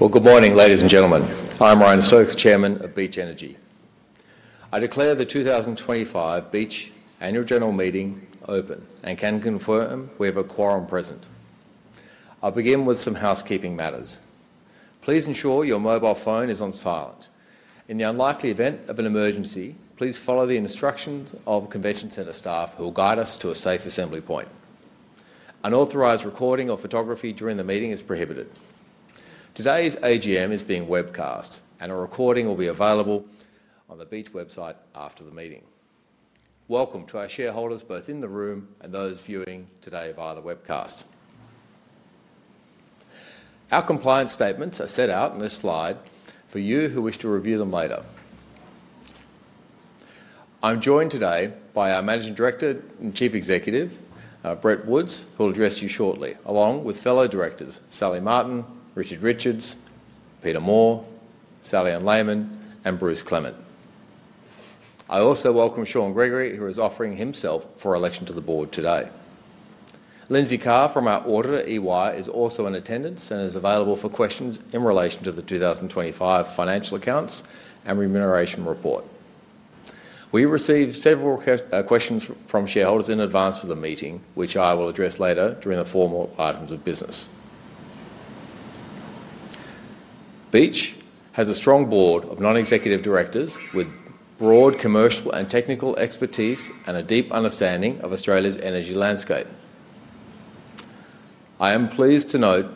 Good morning, ladies and gentlemen. I'm Ryan Stokes, Chairman of Beach Energy. I declare the 2025 Beach Annual General Meeting open and can confirm we have a quorum present. I'll begin with some housekeeping matters. Please ensure your mobile phone is on silent. In the unlikely event of an emergency, please follow the instructions of the Convention Centre staff, who will guide us to a safe assembly point. Unauthorised recording or photography during the meeting is prohibited. Today's AGM is being webcast, and a recording will be available on the Beach website after the meeting. Welcome to our shareholders, both in the room and those viewing today via the webcast. Our compliance statements are set out on this slide for you who wish to review them later. I'm joined today by our Managing Director and Chief Executive, Brett Woods, who will address you shortly, along with fellow directors, Sally Ann Layman, Richard Richards, Peter Moore, Sally Ann Layman, and Bruce Clement. I also welcome Shaun Gregory, who is offering himself for election to the board today. Linzi Carr from our auditor, EY, is also in attendance and is available for questions in relation to the 2025 financial accounts and remuneration report. We received several questions from shareholders in advance of the meeting, which I will address later during the formal items of business. Beach has a strong board of non-executive directors with broad commercial and technical expertise and a deep understanding of Australia's energy landscape. I am pleased to note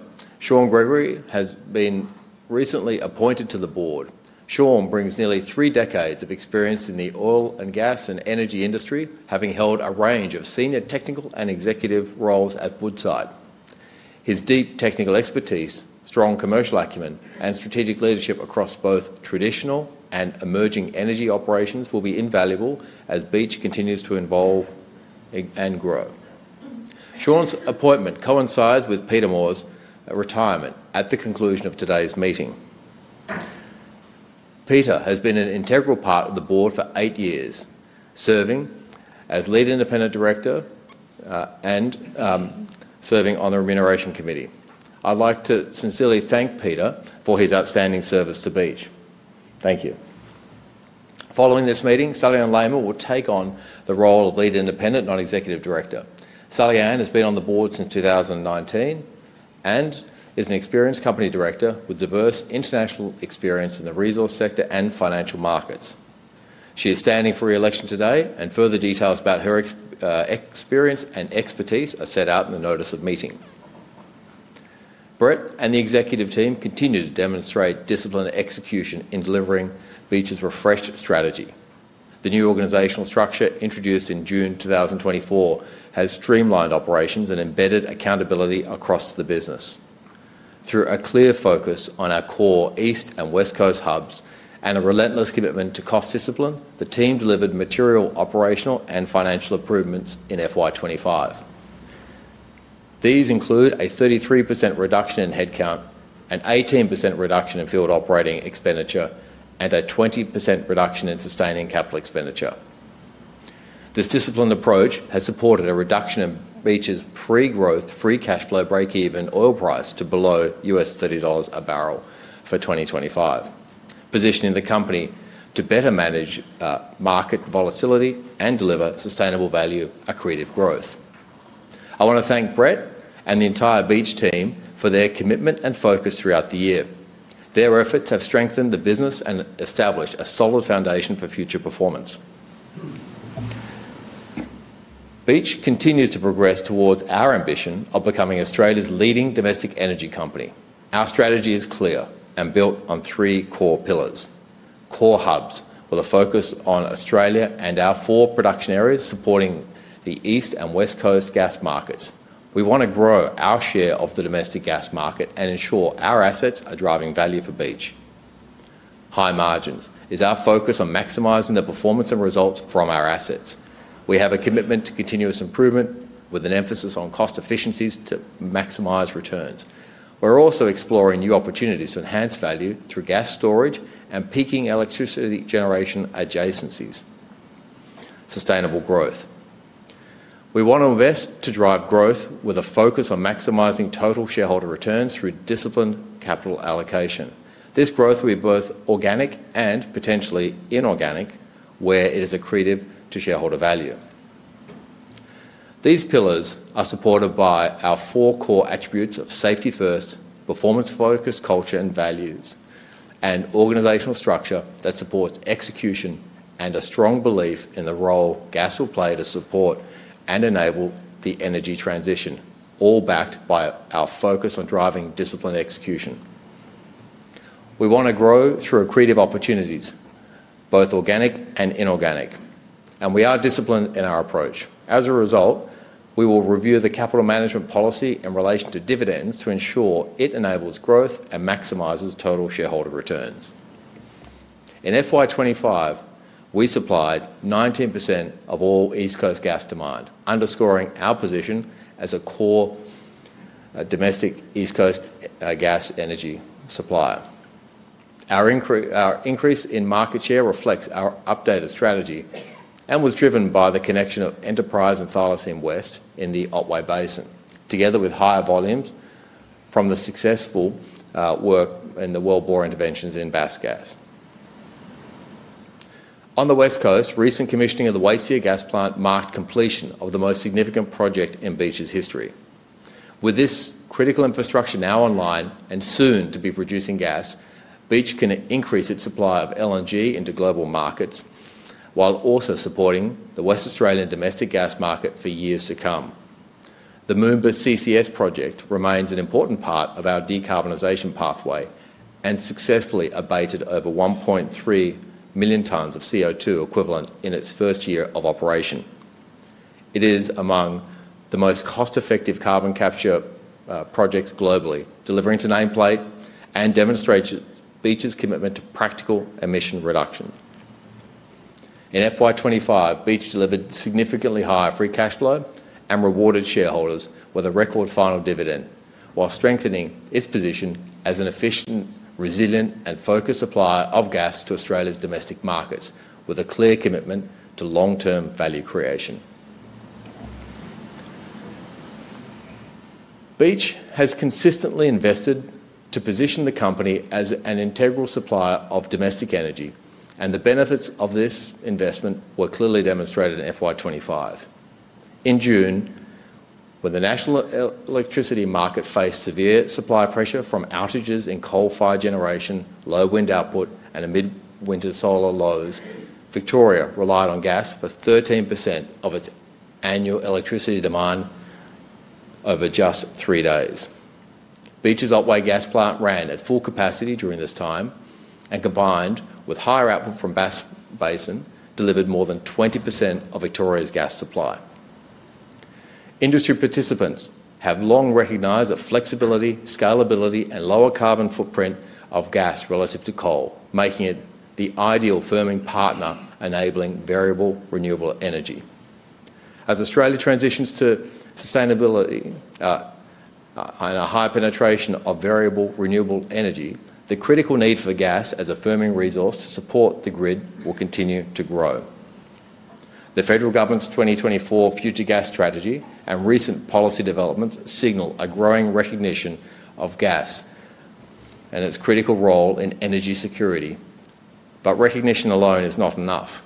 Shaun Gregory has been recently appointed to the board. Shaun brings nearly three decades of experience in the oil and gas and energy industry, having held a range of senior technical and executive roles at Woodside Energy. His deep technical expertise, strong commercial acumen, and strategic leadership across both traditional and emerging energy operations will be invaluable as Beach continues to evolve and grow. Shaun appointment coincides with Peter Moore's retirement at the conclusion of today's meeting. Peter has been an integral part of the board for eight years, serving as Lead Independent Director and serving on the Remuneration Committee.I'd like to sincerely thank Peter for his outstanding service to Beach. Thank you. Following this meeting, Sally Ann Lehman will take on the role of Lead Independent Non-Executive Director. Sally Ann has been on the board since 2019 and is an experienced company director with diverse international experience in the resource sector and financial markets. She is standing for re-election today, and further details about her experience and expertise are set out in the notice of meeting. Brett and the executive team continue to demonstrate discipline and execution in delivering Beach's refreshed strategy. The new organizational structure introduced in June 2024 has streamlined operations and embedded accountability across the business. Through a clear focus on our core East and West Coast hubs and a relentless commitment to cost discipline, the team delivered material operational and financial improvements in FY 2025. These include a 33% reduction in headcount, an 18% reduction in field operating expenditure, and a 20% reduction in sustaining capital expenditure. This disciplined approach has supported a reduction in Beach's pre-growth Free cash flow break-even oil price to below $30 a barrel for 2025, positioning the company to better manage market volatility and deliver sustainable value-accretive growth. I want to thank Brett and the entire Beach team for their commitment and focus throughout the year. Their efforts have strengthened the business and established a solid foundation for future performance. Beach continues to progress towards our ambition of becoming Australia's leading domestic energy company. Our strategy is clear and built on three core pillars, core hubs with a focus on Australia and our four production areas supporting the East and West Coast gas markets. We want to grow our share of the domestic gas market and ensure our assets are driving value for Beach. High margins is our focus on maximizing the performance and results from our assets. We have a commitment to continuous improvement with an emphasis on cost efficiencies to maximize returns. We're also exploring new opportunities to enhance value through gas storage and peaking electricity generation adjacencies. Sustainable growth. We want to invest to drive growth with a focus on maximizing total shareholder returns through disciplined capital allocation. This growth will be both organic and potentially inorganic, where it is accretive to shareholder value. These pillars are supported by our four core attributes of safety first, performance-focused culture and values, and organizational structure that supports execution and a strong belief in the role gas will play to support and enable the energy transition, all backed by our focus on driving disciplined execution. We want to grow through accretive opportunities, both organic and inorganic, and we are disciplined in our approach. As a result, we will review the capital management policy in relation to dividends to ensure it enables growth and maximizes total shareholder returns. In FY 2025, we supplied 19% of all East Coast gas demand, underscoring our position as a core domestic East Coast gas energy supplier. Our increase in market share reflects our updated strategy and was driven by the connection of Enterprise and Thylacine West in the Otway Basin, together with higher volumes from the successful work in the well-bore interventions in Bass Basin gas. On the West Coast, recent commissioning of the Waitsia Gas Plant marked completion of the most significant project in Beach's history. With this critical infrastructure now online and soon to be producing gas, Beach can increase its supply of LNG into global markets while also supporting the West Australian domestic gas market for years to come. The Moomba CCS project remains an important part of our decarbonization pathway and successfully abated over 1.3 million tonnes of CO2 equivalent in its first year of operation. It is among the most cost-effective carbon capture projects globally, delivering to nameplate and demonstrating Beach's commitment to practical emission reduction. In FY 2025, Beach delivered significantly higher free cash flow and rewarded shareholders with a record final dividend, while strengthening its position as an efficient, resilient, and focused supplier of gas to Australia's domestic markets, with a clear commitment to long-term value creation. Beach has consistently invested to position the company as an integral supplier of domestic energy, and the benefits of this investment were clearly demonstrated in FY 2025. In June, when the national electricity market faced severe supply pressure from outages in coal-fired generation, low wind output, and mid-winter solar lows, Victoria relied on gas for 13% of its annual electricity demand over just three days. Beach's Otway Gas Plant ran at full capacity during this time and, combined with higher output from Bass Basin, delivered more than 20% of Victoria's gas supply. Industry participants have long recognized the flexibility, scalability, and lower carbon footprint of gas relative to coal, making it the ideal firming partner enabling variable renewable energy. As Australia transitions to sustainability and a high penetration of variable renewable energy, the critical need for gas as a firming resource to support the grid will continue to grow. The federal government's 2024 Future Gas Strategy and recent policy developments signal a growing recognition of gas and its critical role in energy security, but recognition alone is not enough.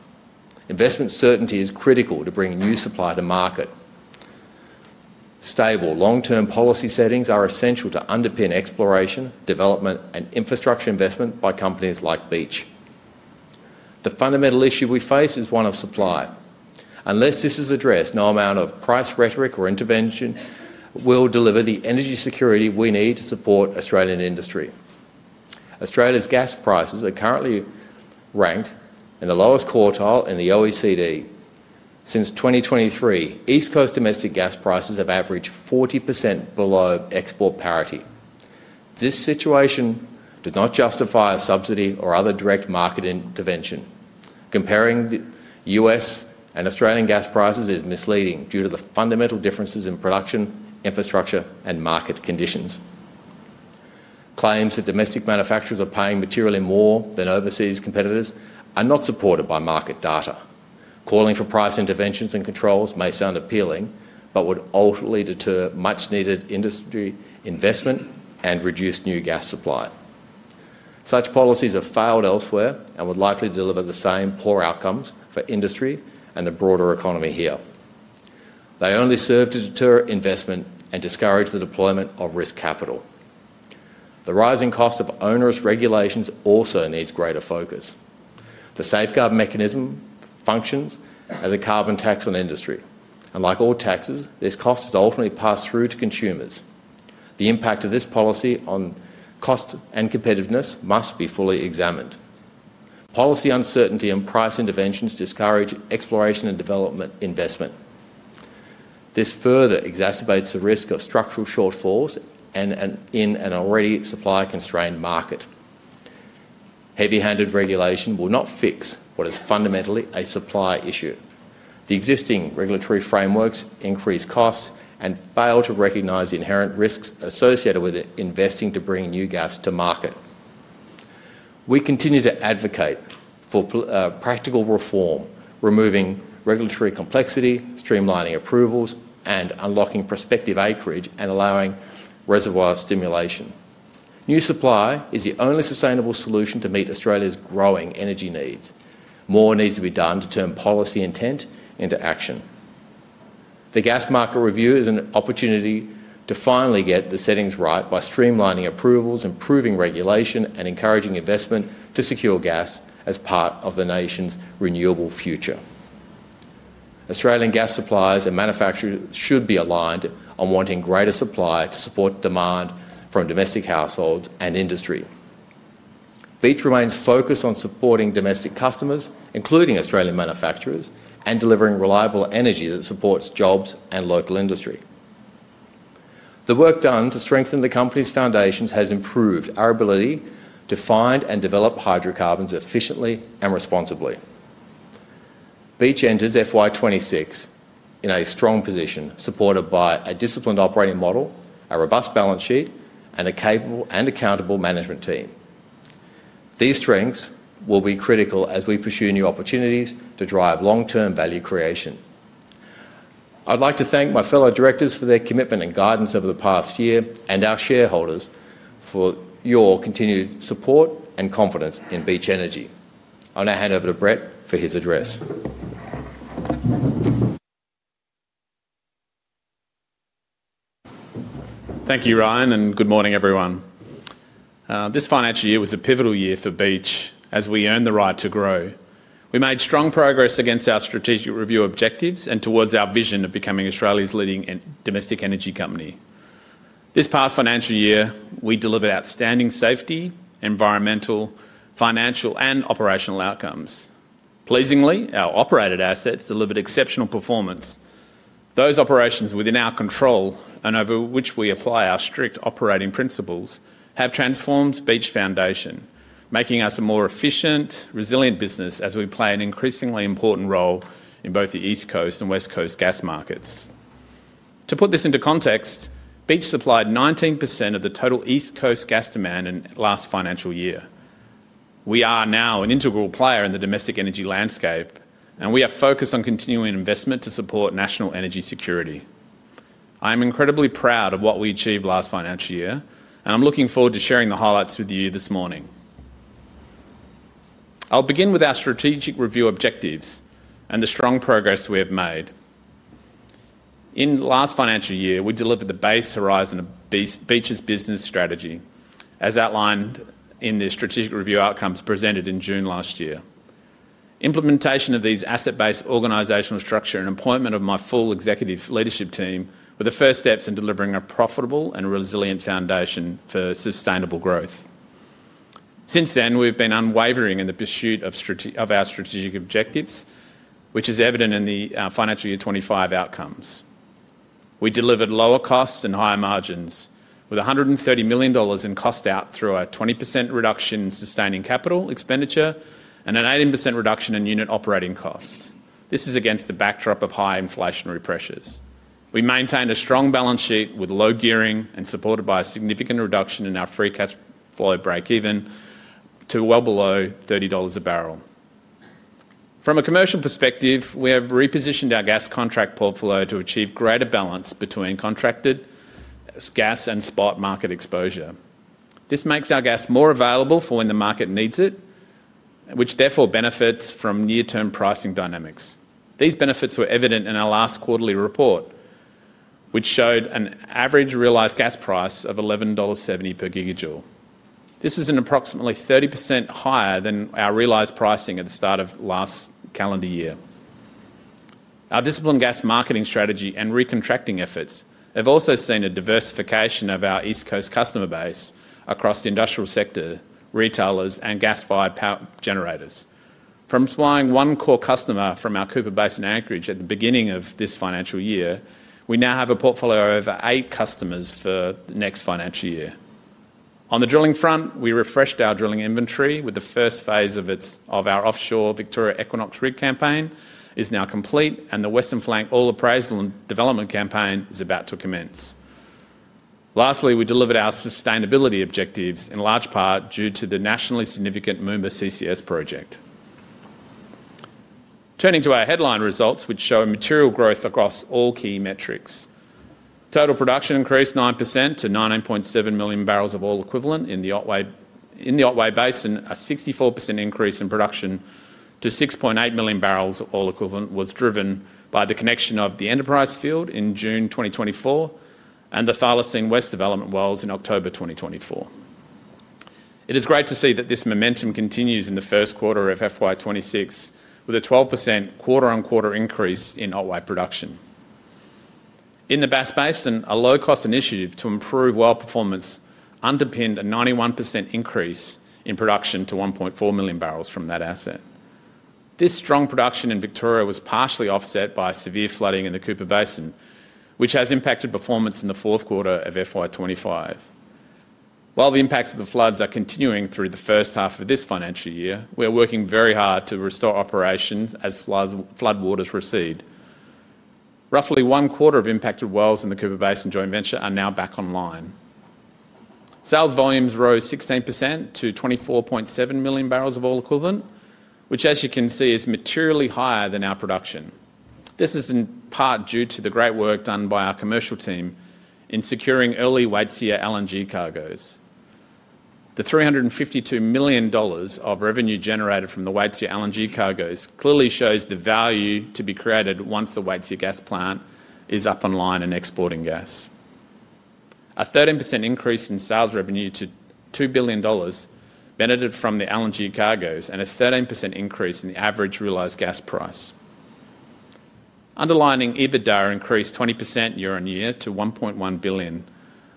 Investment certainty is critical to bring new supply to market. Stable, long-term policy settings are essential to underpin exploration, development, and infrastructure investment by companies like Beach. The fundamental issue we face is one of supply. Unless this is addressed, no amount of price rhetoric or intervention will deliver the energy security we need to support Australian industry. Australia's gas prices are currently ranked in the lowest quartile in the OECD. Since 2023, East Coast domestic gas prices have averaged 40% below export parity. This situation does not justify a subsidy or other direct market intervention. Comparing U.S. and Australian gas prices is misleading due to the fundamental differences in production, infrastructure, and market conditions. Claims that domestic manufacturers are paying materially more than overseas competitors are not supported by market data. Calling for price interventions and controls may sound appealing but would ultimately deter much-needed industry investment and reduce new gas supply. Such policies have failed elsewhere and would likely deliver the same poor outcomes for industry and the broader economy here. They only serve to deter investment and discourage the deployment of risk capital. The rising cost of onerous regulations also needs greater focus. The safeguard mechanism functions as a carbon tax on industry. Like all taxes, this cost is ultimately passed through to consumers. The impact of this policy on cost and competitiveness must be fully examined. Policy uncertainty and price interventions discourage exploration and development investment. This further exacerbates the risk of structural shortfalls in an already supply-constrained market. Heavy-handed regulation will not fix what is fundamentally a supply issue. The existing regulatory frameworks increase costs and fail to recognize the inherent risks associated with investing to bring new gas to market. We continue to advocate for practical reform, removing regulatory complexity, streamlining approvals, and unlocking prospective acreage and allowing reservoir stimulation. New supply is the only sustainable solution to meet Australia's growing energy needs. More needs to be done to turn policy intent into action. The Gas Market Review is an opportunity to finally get the settings right by streamlining approvals, improving regulation, and encouraging investment to secure gas as part of the nation's renewable future. Australian gas suppliers and manufacturers should be aligned on wanting greater supply to support demand from domestic households and industry. Beach remains focused on supporting domestic customers, including Australian manufacturers, and delivering reliable energy that supports jobs and local industry. The work done to strengthen the company's foundations has improved our ability to find and develop hydrocarbons efficiently and responsibly. Beach enters FY26 in a strong position, supported by a disciplined operating model, a robust balance sheet, and a capable and accountable management team. These strengths will be critical as we pursue new opportunities to drive long-term value creation. I'd like to thank my fellow directors for their commitment and guidance over the past year and our shareholders for your continued support and confidence in Beach Energy. I'll now hand over to Brett for his address. Thank you, Ryan, and good morning, everyone. This financial year was a pivotal year for Beach as we earned the right to grow. We made strong progress against our strategic review objectives and towards our vision of becoming Australia's leading domestic energy company. This past financial year, we delivered outstanding safety, environmental, financial, and operational outcomes. Pleasingly, our operated assets delivered exceptional performance. Those operations within our control and over which we apply our strict operating principles have transformed Beach Foundation, making us a more efficient, resilient business as we play an increasingly important role in both the East Coast and West Coast gas markets. To put this into context, Beach supplied 19% of the total East Coast gas demand in last financial year. We are now an integral player in the domestic energy landscape, and we are focused on continuing investment to support national energy security. I am incredibly proud of what we achieved last financial year, and I'm looking forward to sharing the highlights with you this morning. I'll begin with our strategic review objectives and the strong progress we have made. In last financial year, we delivered the base horizon of Beach's business strategy, as outlined in the strategic review outcomes presented in June last year. Implementation of these asset-based organizational structure and appointment of my full executive leadership team were the first steps in delivering a profitable and resilient foundation for sustainable growth. Since then, we've been unwavering in the pursuit of our strategic objectives, which is evident in the financial year 2025 outcomes. We delivered lower costs and higher margins, with 130 million dollars in cost out through a 20% reduction in sustaining capital expenditure and an 18% reduction in unit operating costs. This is against the backdrop of high inflationary pressures. We maintained a strong balance sheet with low gearing and supported by a significant reduction in our Free cash flow break-even to well below $30 a barrel. From a commercial perspective, we have repositioned our gas contract portfolio to achieve greater balance between contracted gas and spot market exposure. This makes our gas more available for when the market needs it, which therefore benefits from near-term pricing dynamics. These benefits were evident in our last quarterly report, which showed an average realised gas price of 11.70 dollars per gigajoule. This is an approximately 30% higher than our realised pricing at the start of last calendar year. Our disciplined gas marketing strategy and recontracting efforts have also seen a diversification of our East Coast customer base across the industrial sector, retailers, and gas-fired power generators. From supplying one core customer from our Cooper Basin anchorage at the beginning of this financial year, we now have a portfolio of over eight customers for the next financial year. On the drilling front, we refreshed our drilling inventory with the first phase of our offshore Victoria Equinox rig campaign now complete, and the Western Flank Oil Appraisal and Development campaign is about to commence. Lastly, we delivered our sustainability objectives in large part due to the nationally significant Moomba CCS project. Turning to our headline results, which show material growth across all key metrics. Total production increased 9% to 19.7 million barrels of oil equivalent in the Otway Basin. A 64% increase in production to 6.8 million barrels of oil equivalent was driven by the connection of the Enterprise Field in June 2024 and the Thylacine West development wells in October 2024. It is great to see that this momentum continues in the first quarter of FY 2026, with a 12% quarter-on-quarter increase in Otway production. In the Bass Basin, a low-cost initiative to improve well performance underpinned a 91% increase in production to 1.4 million barrels from that asset. This strong production in Victoria was partially offset by severe flooding in the Cooper Basin, which has impacted performance in the fourth quarter of FY 2025. While the impacts of the floods are continuing through the first half of this financial year, we are working very hard to restore operations as floodwaters recede. Roughly one quarter of impacted wells in the Cooper Basin joint venture are now back online. Sales volumes rose 16% to 24.7 million barrels of oil equivalent, which, as you can see, is materially higher than our production. This is in part due to the great work done by our commercial team in securing early Waitsia LNG cargoes. The 352 million dollars of revenue generated from the Waitsia LNG cargoes clearly shows the value to be created once the Waitsia gas plant is up and online and exporting gas. A 13% increase in sales revenue to 2 billion dollars benefited from the LNG cargoes and a 13% increase in the average realised gas price. Underlying EBITDA increased 20% year on year to 1.1 billion,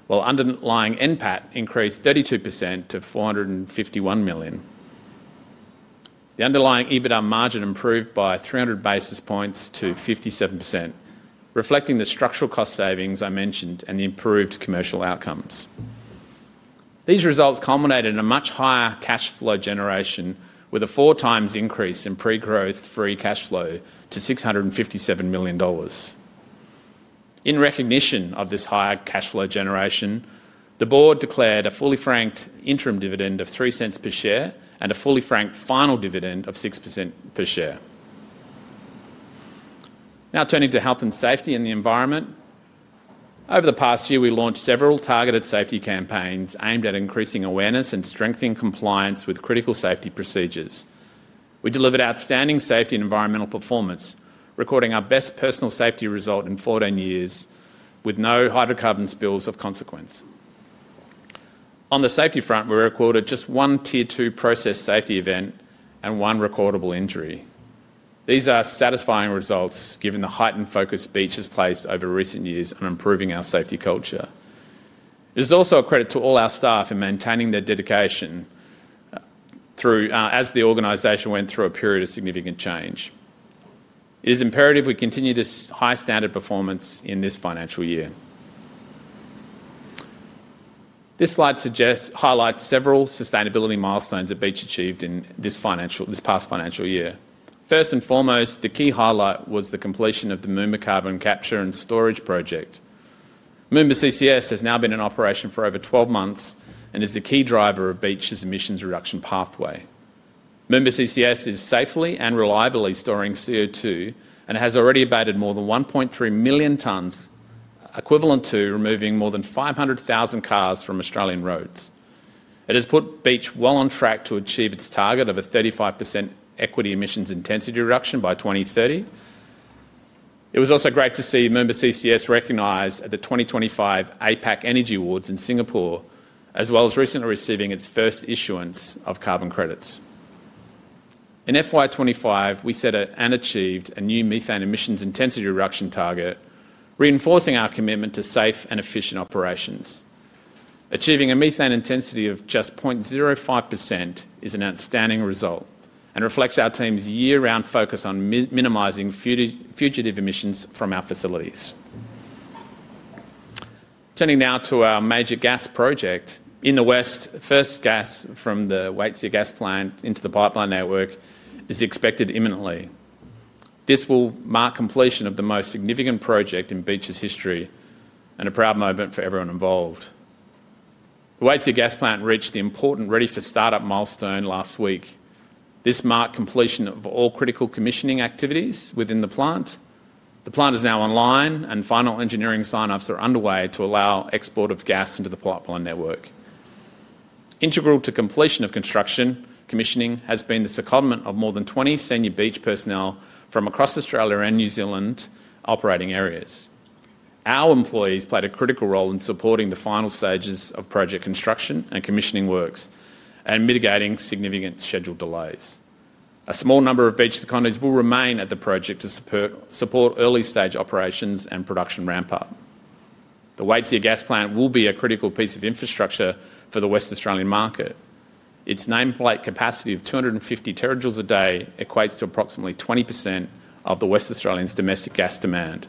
while underlying NPAT increased 32% to 451 million. The underlying EBITDA margin improved by 300 basis points to 57%, reflecting the structural cost savings I mentioned and the improved commercial outcomes. These results culminated in a much higher cash flow generation, with a four-times increase in pre-growth free cash flow to 657 million dollars. In recognition of this higher Cash flow generation, the board declared a fully franked interim dividend of 0.03 per share and a fully franked final dividend of 0.06 per share. Now turning to health and safety and the environment. Over the past year, we launched several targeted safety campaigns aimed at increasing awareness and strengthening compliance with critical safety procedures. We delivered outstanding safety and environmental performance, recording our best personal safety result in 14 years with no hydrocarbon spills of consequence. On the safety front, we recorded just one tier two process safety event and one recordable injury. These are satisfying results given the heightened focus Beach has placed over recent years on improving our safety culture. It is also a credit to all our staff in maintaining their dedication as the organization went through a period of significant change. It is imperative we continue this high standard performance in this financial year. This slide highlights several sustainability milestones that Beach achieved in this past financial year. First and foremost, the key highlight was the completion of the Minos CCS project. Minos CCS has now been in operation for over 12 months and is the key driver of Beach's emissions reduction pathway. Minos CCS is safely and reliably storing CO2 and has already abated more than 1.3 million tonnes, equivalent to removing more than 500,000 cars from Australian roads. It has put Beach well on track to achieve its target of a 35% equity emissions intensity reduction by 2030. It was also great to see Minos CCS recognized at the 2025 APAC Energy Awards in Singapore, as well as recently receiving its first issuance of carbon credits. In FY 2025, we set and achieved a new methane emissions intensity reduction target, reinforcing our commitment to safe and efficient operations. Achieving a methane intensity of just 0.05% is an outstanding result and reflects our team's year-round focus on minimizing fugitive emissions from our facilities. Turning now to our major gas project, in the West, first gas from the Waitsia Gas Plant into the pipeline network is expected imminently. This will mark completion of the most significant project in Beach's history and a proud moment for everyone involved. The Waitsia Gas Plant reached the important ready-for-startup milestone last week. This marked completion of all critical commissioning activities within the plant. The plant is now online and final engineering sign-offs are underway to allow export of gas into the pipeline network. Integral to completion of construction commissioning has been the secondment of more than 20 senior Beach personnel from across Australia and New Zealand operating areas. Our employees played a critical role in supporting the final stages of project construction and commissioning works and mitigating significant scheduled delays. A small number of Beach secondees will remain at the project to support early stage operations and production ramp-up. The Waitsia Gas Plant will be a critical piece of infrastructure for the West Australian market. Its nameplate capacity of 250 terajoules a day equates to approximately 20% of the West Australian domestic gas demand.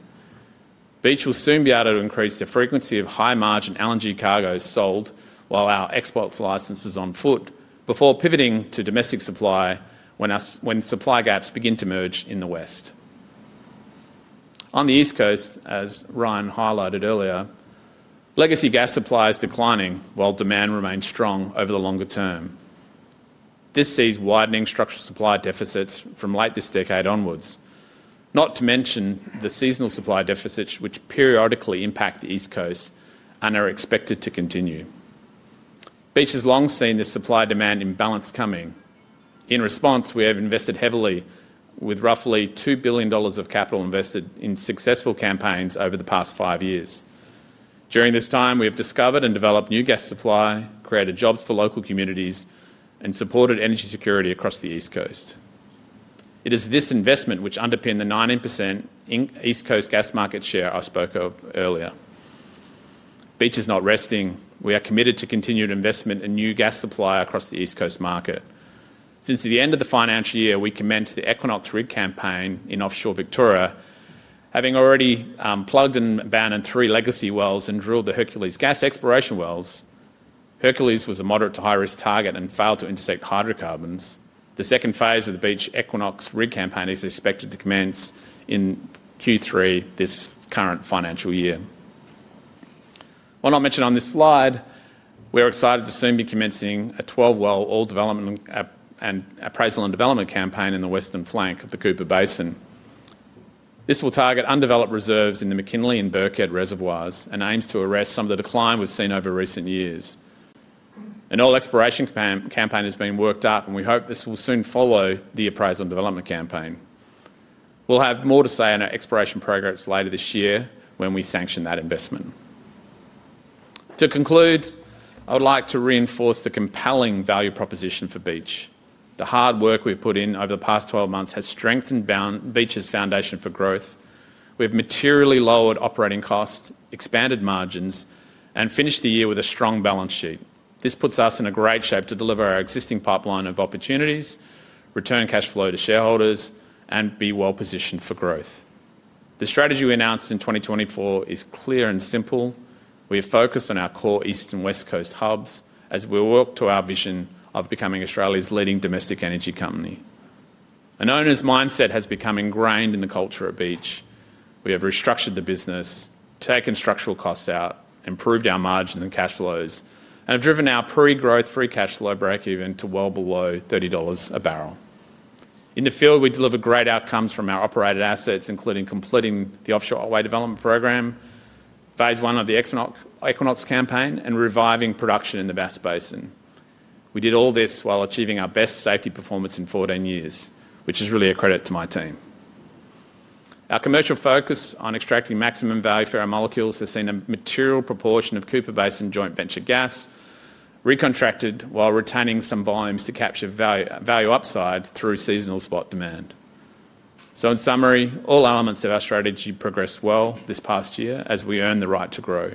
Beach will soon be able to increase the frequency of high-margin LNG cargoes sold while our export licence is on foot before pivoting to domestic supply when supply gaps begin to emerge in the West. On the East Coast, as Ryan highlighted earlier, legacy gas supply is declining while demand remains strong over the longer term. This sees widening structural supply deficits from late this decade onwards, not to mention the seasonal supply deficits which periodically impact the East Coast and are expected to continue. Beach has long seen the supply-demand imbalance coming. In response, we have invested heavily with roughly 2 billion dollars of capital invested in successful campaigns over the past five years. During this time, we have discovered and developed new gas supply, created jobs for local communities, and supported energy security across the East Coast. It is this investment which underpins the 19% East Coast gas market share I spoke of earlier. Beach is not resting. We are committed to continued investment in new gas supply across the East Coast market. Since the end of the financial year, we commenced the Equinox rig campaign in offshore Victoria, having already plugged and abandoned three legacy wells and drilled the Hercules gas exploration wells. Hercules was a moderate to high-risk target and failed to intersect hydrocarbons. The second phase of the Beach Equinox rig campaign is expected to commence in Q3 this current financial year. While not mentioned on this slide, we are excited to soon be commencing a 12-well oil development and appraisal and development campaign in the Western Flank of the Cooper Basin. This will target undeveloped reserves in the McKinley and Burkhead reservoirs and aims to address some of the decline we've seen over recent years. An oil exploration campaign has been worked up, and we hope this will soon follow the appraisal and development campaign. We'll have more to say on our exploration progress later this year when we sanction that investment. To conclude, I would like to reinforce the compelling value proposition for Beach. The hard work we've put in over the past 12 months has strengthened Beach's foundation for growth. We have materially lowered operating costs, expanded margins, and finished the year with a strong balance sheet. This puts us in a great shape to deliver our existing pipeline of opportunities, return cash flow to shareholders, and be well positioned for growth. The strategy we announced in 2024 is clear and simple. We have focused on our core East and West Coast hubs as we work to our vision of becoming Australia's leading domestic energy company. An owner's mindset has become ingrained in the culture at Beach. We have restructured the business, taken structural costs out, improved our margins and cash flows, and have driven our pre-growth free cash flow break-even to well below $30 a barrel. In the field, we deliver great outcomes from our operated assets, including completing the offshore Otway development program, phase one of the Equinox campaign, and reviving production in the Bass Basin. We did all this while achieving our best safety performance in 14 years, which is really a credit to my team. Our commercial focus on extracting maximum value for our molecules has seen a material proportion of Cooper Basin joint venture gas recontracted while retaining some volumes to capture value upside through seasonal spot demand. In summary, all elements of our strategy progressed well this past year as we earn the right to grow.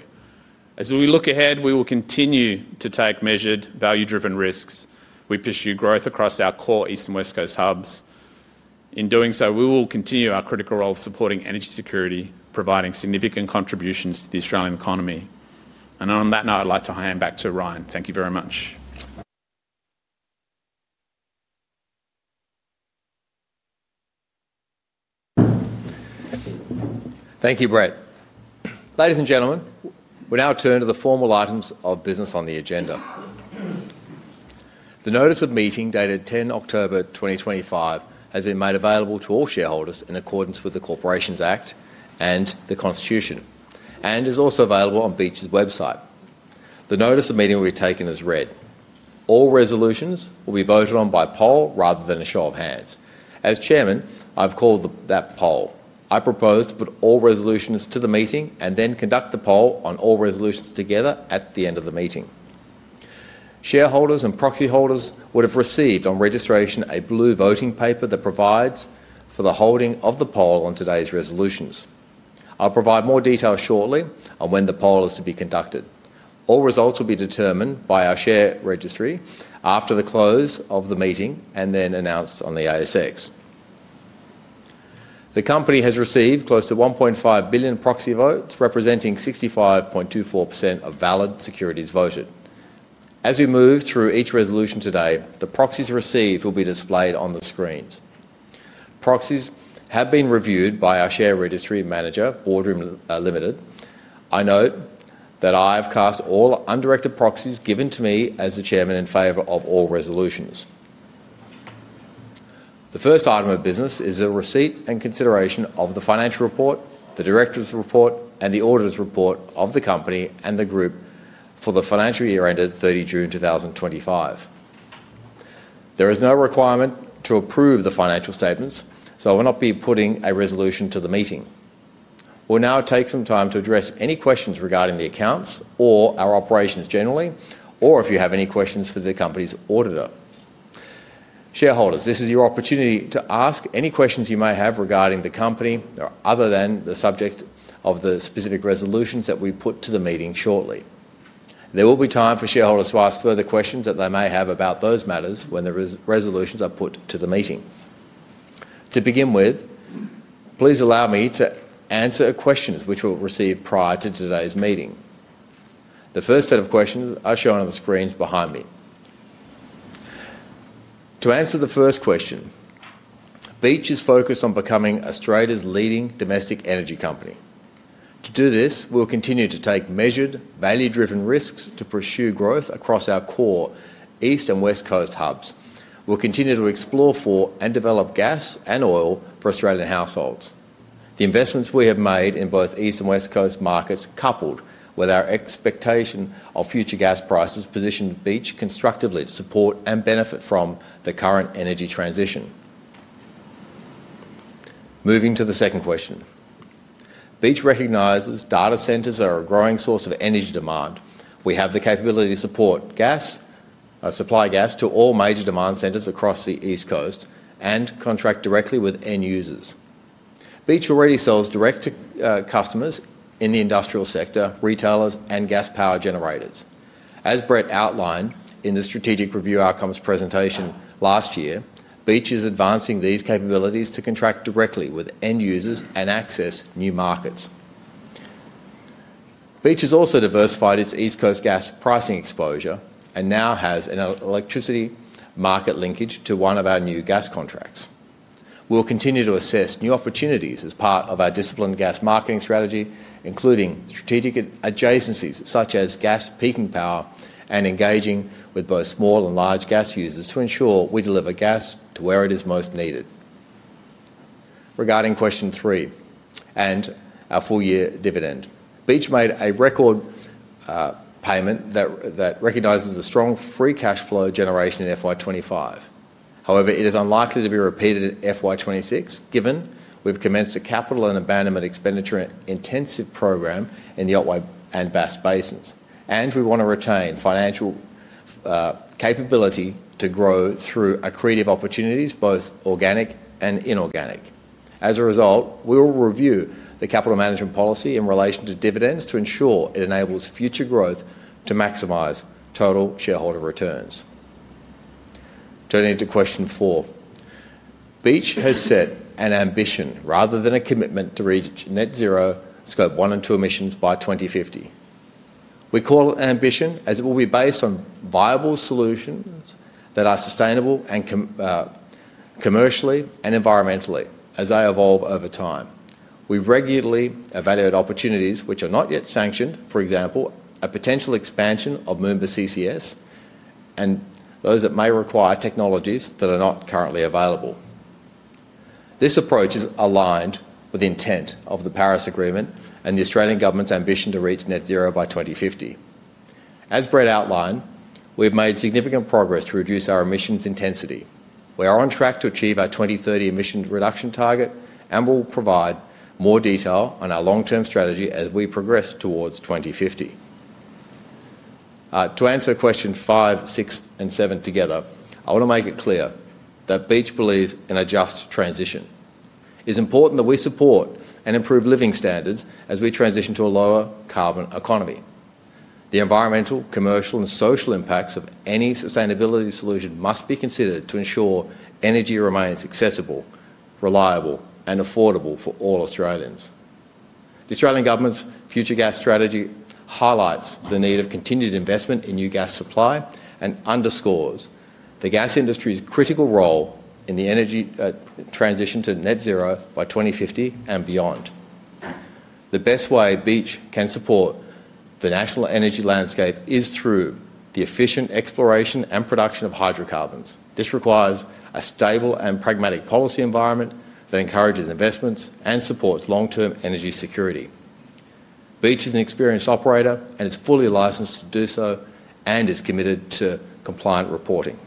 As we look ahead, we will continue to take measured, value-driven risks. We pursue growth across our core East and West Coast hubs. In doing so, we will continue our critical role of supporting energy security, providing significant contributions to the Australian economy. On that note, I'd like to hand back to Ryan. Thank you very much. Thank you, Brett. Ladies and gentlemen, we now turn to the formal items of business on the agenda. The notice of meeting dated 10 October 2025 has been made available to all shareholders in accordance with the Corporations Act and the Constitution, and is also available on Beach's website. The notice of meeting will be taken as read. All resolutions will be voted on by poll rather than a show of hands. As Chairman, I've called that poll. I propose to put all resolutions to the meeting and then conduct the poll on all resolutions together at the end of the meeting. Shareholders and proxy holders would have received on registration a blue voting paper that provides for the holding of the poll on today's resolutions. I'll provide more details shortly on when the poll is to be conducted. All results will be determined by our share registry after the close of the meeting and then announced on the ASX. The company has received close to 1.5 billion proxy votes, representing 65.24% of valid securities voted. As we move through each resolution today, the proxies received will be displayed on the screens. Proxies have been reviewed by our share registry manager, Boardroom Limited. I note that I have cast all undirected proxies given to me as the Chairman in favor of all resolutions. The first item of business is a receipt and consideration of the financial report, the Director's report, and the Auditor's report of the company and the group for the financial year ended 30 June 2025. There is no requirement to approve the financial statements, so I will not be putting a resolution to the meeting. We'll now take some time to address any questions regarding the accounts or our operations generally, or if you have any questions for the company's Auditor. Shareholders, this is your opportunity to ask any questions you may have regarding the company or other than the subject of the specific resolutions that we put to the meeting shortly. There will be time for shareholders to ask further questions that they may have about those matters when the resolutions are put to the meeting. To begin with, please allow me to answer questions which we received prior to today's meeting. The first set of questions are shown on the screens behind me. To answer the first question, Beach is focused on becoming Australia's leading domestic energy company. To do this, we will continue to take measured, value-driven risks to pursue growth across our core East and West Coast hubs. We will continue to explore for and develop gas and oil for Australian households. The investments we have made in both East and West Coast markets, coupled with our expectation of future gas prices, position Beach constructively to support and benefit from the current energy transition. Moving to the second question, Beach recognizes data centers are a growing source of energy demand. We have the capability to support gas, supply gas to all major demand centers across the East Coast, and contract directly with end users. Beach already sells direct to customers in the industrial sector, retailers, and gas power generators. As Brett outlined in the strategic review outcomes presentation last year, Beach is advancing these capabilities to contract directly with end users and access new markets. Beach has also diversified its East Coast gas pricing exposure and now has an electricity market linkage to one of our new gas contracts. We'll continue to assess new opportunities as part of our disciplined gas marketing strategy, including strategic adjacencies such as gas peaking power and engaging with both small and large gas users to ensure we deliver gas to where it is most needed. Regarding question three and our full year dividend, Beach made a record payment that recognizes a strong Free cash flow generation in FY 2025. However, it is unlikely to be repeated in FY 2026 given we've commenced a capital and abandonment expenditure intensive program in the Otway and Bass Basins, and we want to retain financial capability to grow through accretive opportunities, both organic and inorganic. As a result, we will review the capital management policy in relation to dividends to ensure it enables future growth to maximize total shareholder returns. Turning to question four, Beach has set an ambition rather than a commitment to reach net zero Scope 1 and 2 emissions by 2050. We call it ambition as it will be based on viable solutions that are sustainable commercially and environmentally as they evolve over time. We regularly evaluate opportunities which are not yet sanctioned, for example, a potential expansion of Moomba CCS and those that may require technologies that are not currently available. This approach is aligned with the intent of the Paris Agreement and the Australian government's ambition to reach net zero by 2050. As Brett outlined, we've made significant progress to reduce our emissions intensity. We are on track to achieve our 2030 emission reduction target and will provide more detail on our long-term strategy as we progress towards 2050. To answer question five, six, and seven together, I want to make it clear that Beach believes in a just transition. It's important that we support and improve living standards as we transition to a lower carbon economy. The environmental, commercial, and social impacts of any sustainability solution must be considered to ensure energy remains accessible, reliable, and affordable for all Australians. The Australian government's future gas strategy highlights the need of continued investment in new gas supply and underscores the gas industry's critical role in the energy transition to net zero by 2050 and beyond. The best way Beach can support the national energy landscape is through the efficient exploration and production of hydrocarbons. This requires a stable and pragmatic policy environment that encourages investments and supports long-term energy security. Beach is an experienced operator and is fully licensed to do so and is committed to compliant reporting.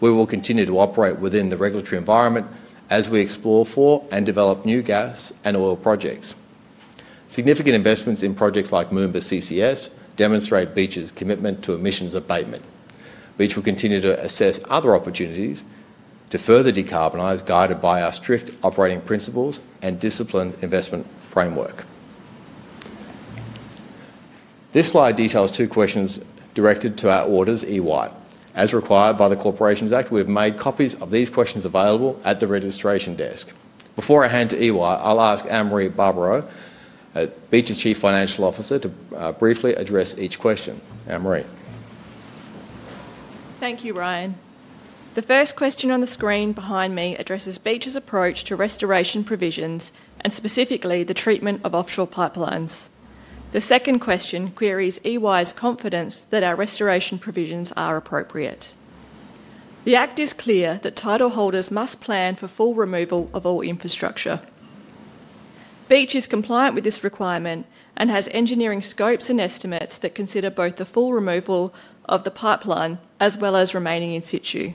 We will continue to operate within the regulatory environment as we explore for and develop new gas and oil projects. Significant investments in projects like Moomba CCS demonstrate Beach's commitment to emissions abatement. Beach will continue to assess other opportunities to further decarbonise guided by our strict operating principles and disciplined investment framework. This slide details two questions directed to our auditors, EY. As required by the Corporations Act, we have made copies of these questions available at the registration desk. Before I hand to EY, I'll ask Anne-Marie Barbaro, Beach's Chief Financial Officer, to briefly address each question. Anne-Marie. Thank you, Ryan. The first question on the screen behind me addresses Beach's approach to restoration provisions and specifically the treatment of offshore pipelines. The second question queries EY's confidence that our restoration provisions are appropriate. The act is clear that title holders must plan for full removal of all infrastructure. Beach is compliant with this requirement and has engineering scopes and estimates that consider both the full removal of the pipeline as well as remaining in situ.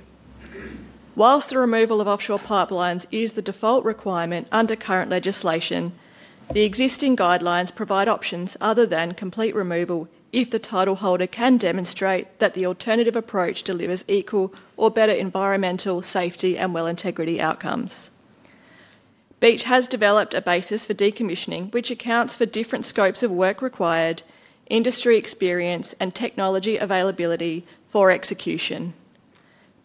Whilst the removal of offshore pipelines is the default requirement under current legislation, the existing guidelines provide options other than complete removal if the title holder can demonstrate that the alternative approach delivers equal or better environmental safety and well integrity outcomes. Beach has developed a basis for decommissioning which accounts for different scopes of work required, industry experience, and technology availability for execution.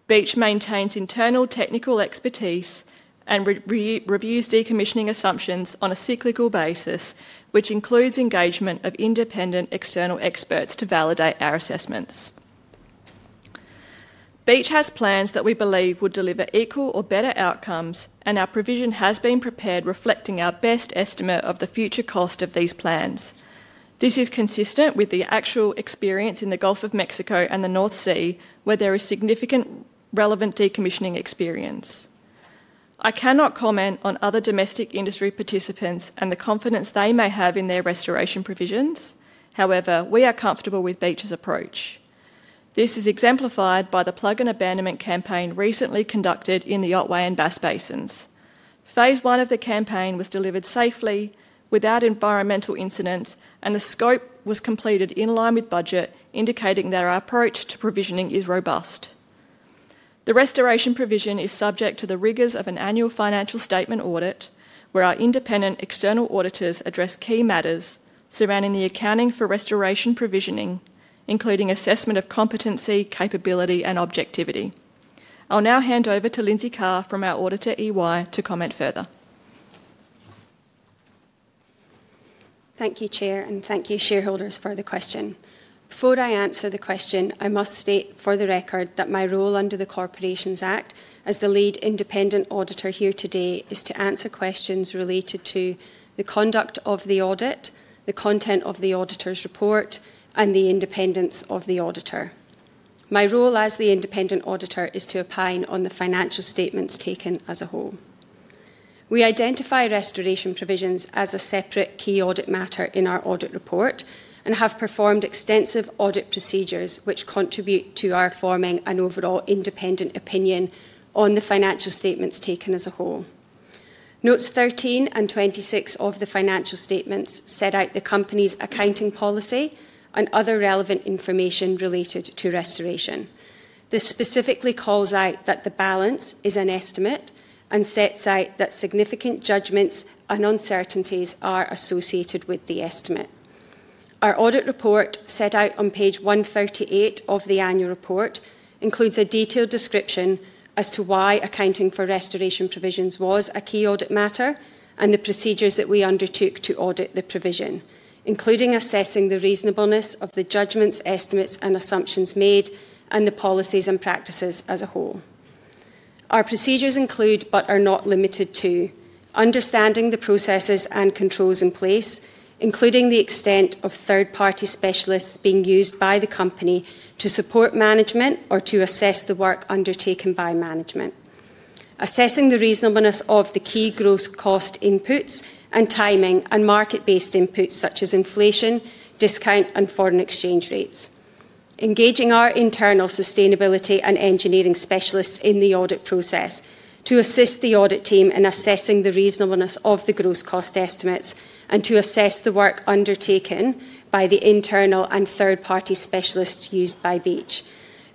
Beach maintains internal technical expertise and reviews decommissioning assumptions on a cyclical basis, which includes engagement of independent external experts to validate our assessments. Beach has plans that we believe would deliver equal or better outcomes, and our provision has been prepared reflecting our best estimate of the future cost of these plans. This is consistent with the actual experience in the Gulf of Mexico and the North Sea, where there is significant relevant decommissioning experience. I cannot comment on other domestic industry participants and the confidence they may have in their restoration provisions. However, we are comfortable with Beach's approach. This is exemplified by the plug and abandonment campaign recently conducted in the Otway and Bass Basins. Phase one of the campaign was delivered safely, without environmental incidents, and the scope was completed in line with budget, indicating that our approach to provisioning is robust. The restoration provision is subject to the rigors of an annual financial statement audit, where our independent external auditors address key matters surrounding the accounting for restoration provisioning, including assessment of competency, capability, and objectivity. I'll now hand over to Linzi Carr from our auditor, EY, to comment further. Thank you, Chair, and thank you, shareholders, for the question. Before I answer the question, I must state for the record that my role under the Corporations Act as the lead independent auditor here today is to answer questions related to the conduct of the audit, the content of the auditor's report, and the independence of the auditor. My role as the independent auditor is to opine on the financial statements taken as a whole. We identify restoration provisions as a separate key audit matter in our audit report and have performed extensive audit procedures which contribute to our forming an overall independent opinion on the financial statements taken as a whole. Notes 13 and 26 of the financial statements set out the company's accounting policy and other relevant information related to restoration. This specifically calls out that the balance is an estimate and sets out that significant judgments and uncertainties are associated with the estimate. Our audit report set out on page 138 of the annual report includes a detailed description as to why accounting for restoration provisions was a key audit matter and the procedures that we undertook to audit the provision, including assessing the reasonableness of the judgments, estimates, and assumptions made and the policies and practices as a whole. Our procedures include, but are not limited to, understanding the processes and controls in place, including the extent of third-party specialists being used by the company to support management or to assess the work undertaken by management, assessing the reasonableness of the key gross cost inputs and timing and market-based inputs such as inflation, discount, and foreign exchange rates, engaging our internal sustainability and engineering specialists in the audit process to assist the audit team in assessing the reasonableness of the gross cost estimates and to assess the work undertaken by the internal and third-party specialists used by Beach.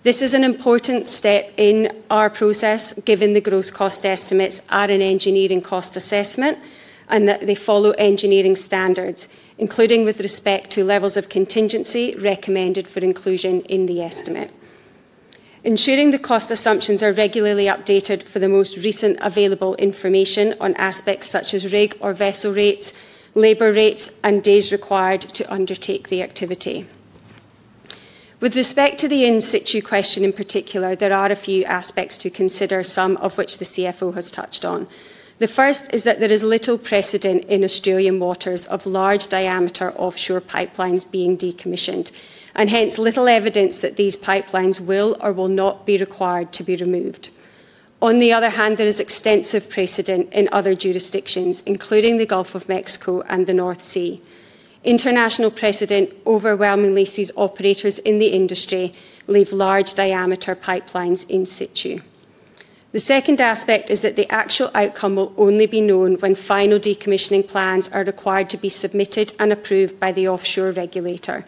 This is an important step in our process, given the gross cost estimates are an engineering cost assessment and that they follow engineering standards, including with respect to levels of contingency recommended for inclusion in the estimate. Ensuring the cost assumptions are regularly updated for the most recent available information on aspects such as rig or vessel rates, labor rates, and days required to undertake the activity. With respect to the in-situ question in particular, there are a few aspects to consider, some of which the CFO has touched on. The first is that there is little precedent in Australian waters of large diameter offshore pipelines being decommissioned, and hence little evidence that these pipelines will or will not be required to be removed. On the other hand, there is extensive precedent in other jurisdictions, including the Gulf of Mexico and the North Sea. International precedent overwhelmingly sees operators in the industry leave large diameter pipelines in situ. The second aspect is that the actual outcome will only be known when final decommissioning plans are required to be submitted and approved by the offshore regulator.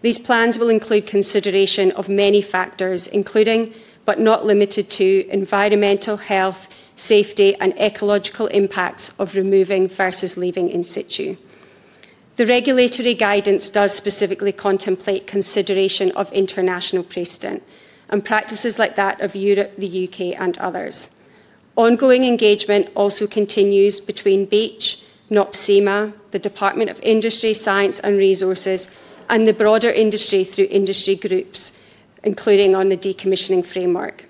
These plans will include consideration of many factors, including, but not limited to, environmental health, safety, and ecological impacts of removing versus leaving in situ. The regulatory guidance does specifically contemplate consideration of international precedent and practices like that of Europe, the U.K., and others. Ongoing engagement also continues between Beach, NOPSEMA, the Department of Industry, Science and Resources, and the broader industry through industry groups, including on the decommissioning framework.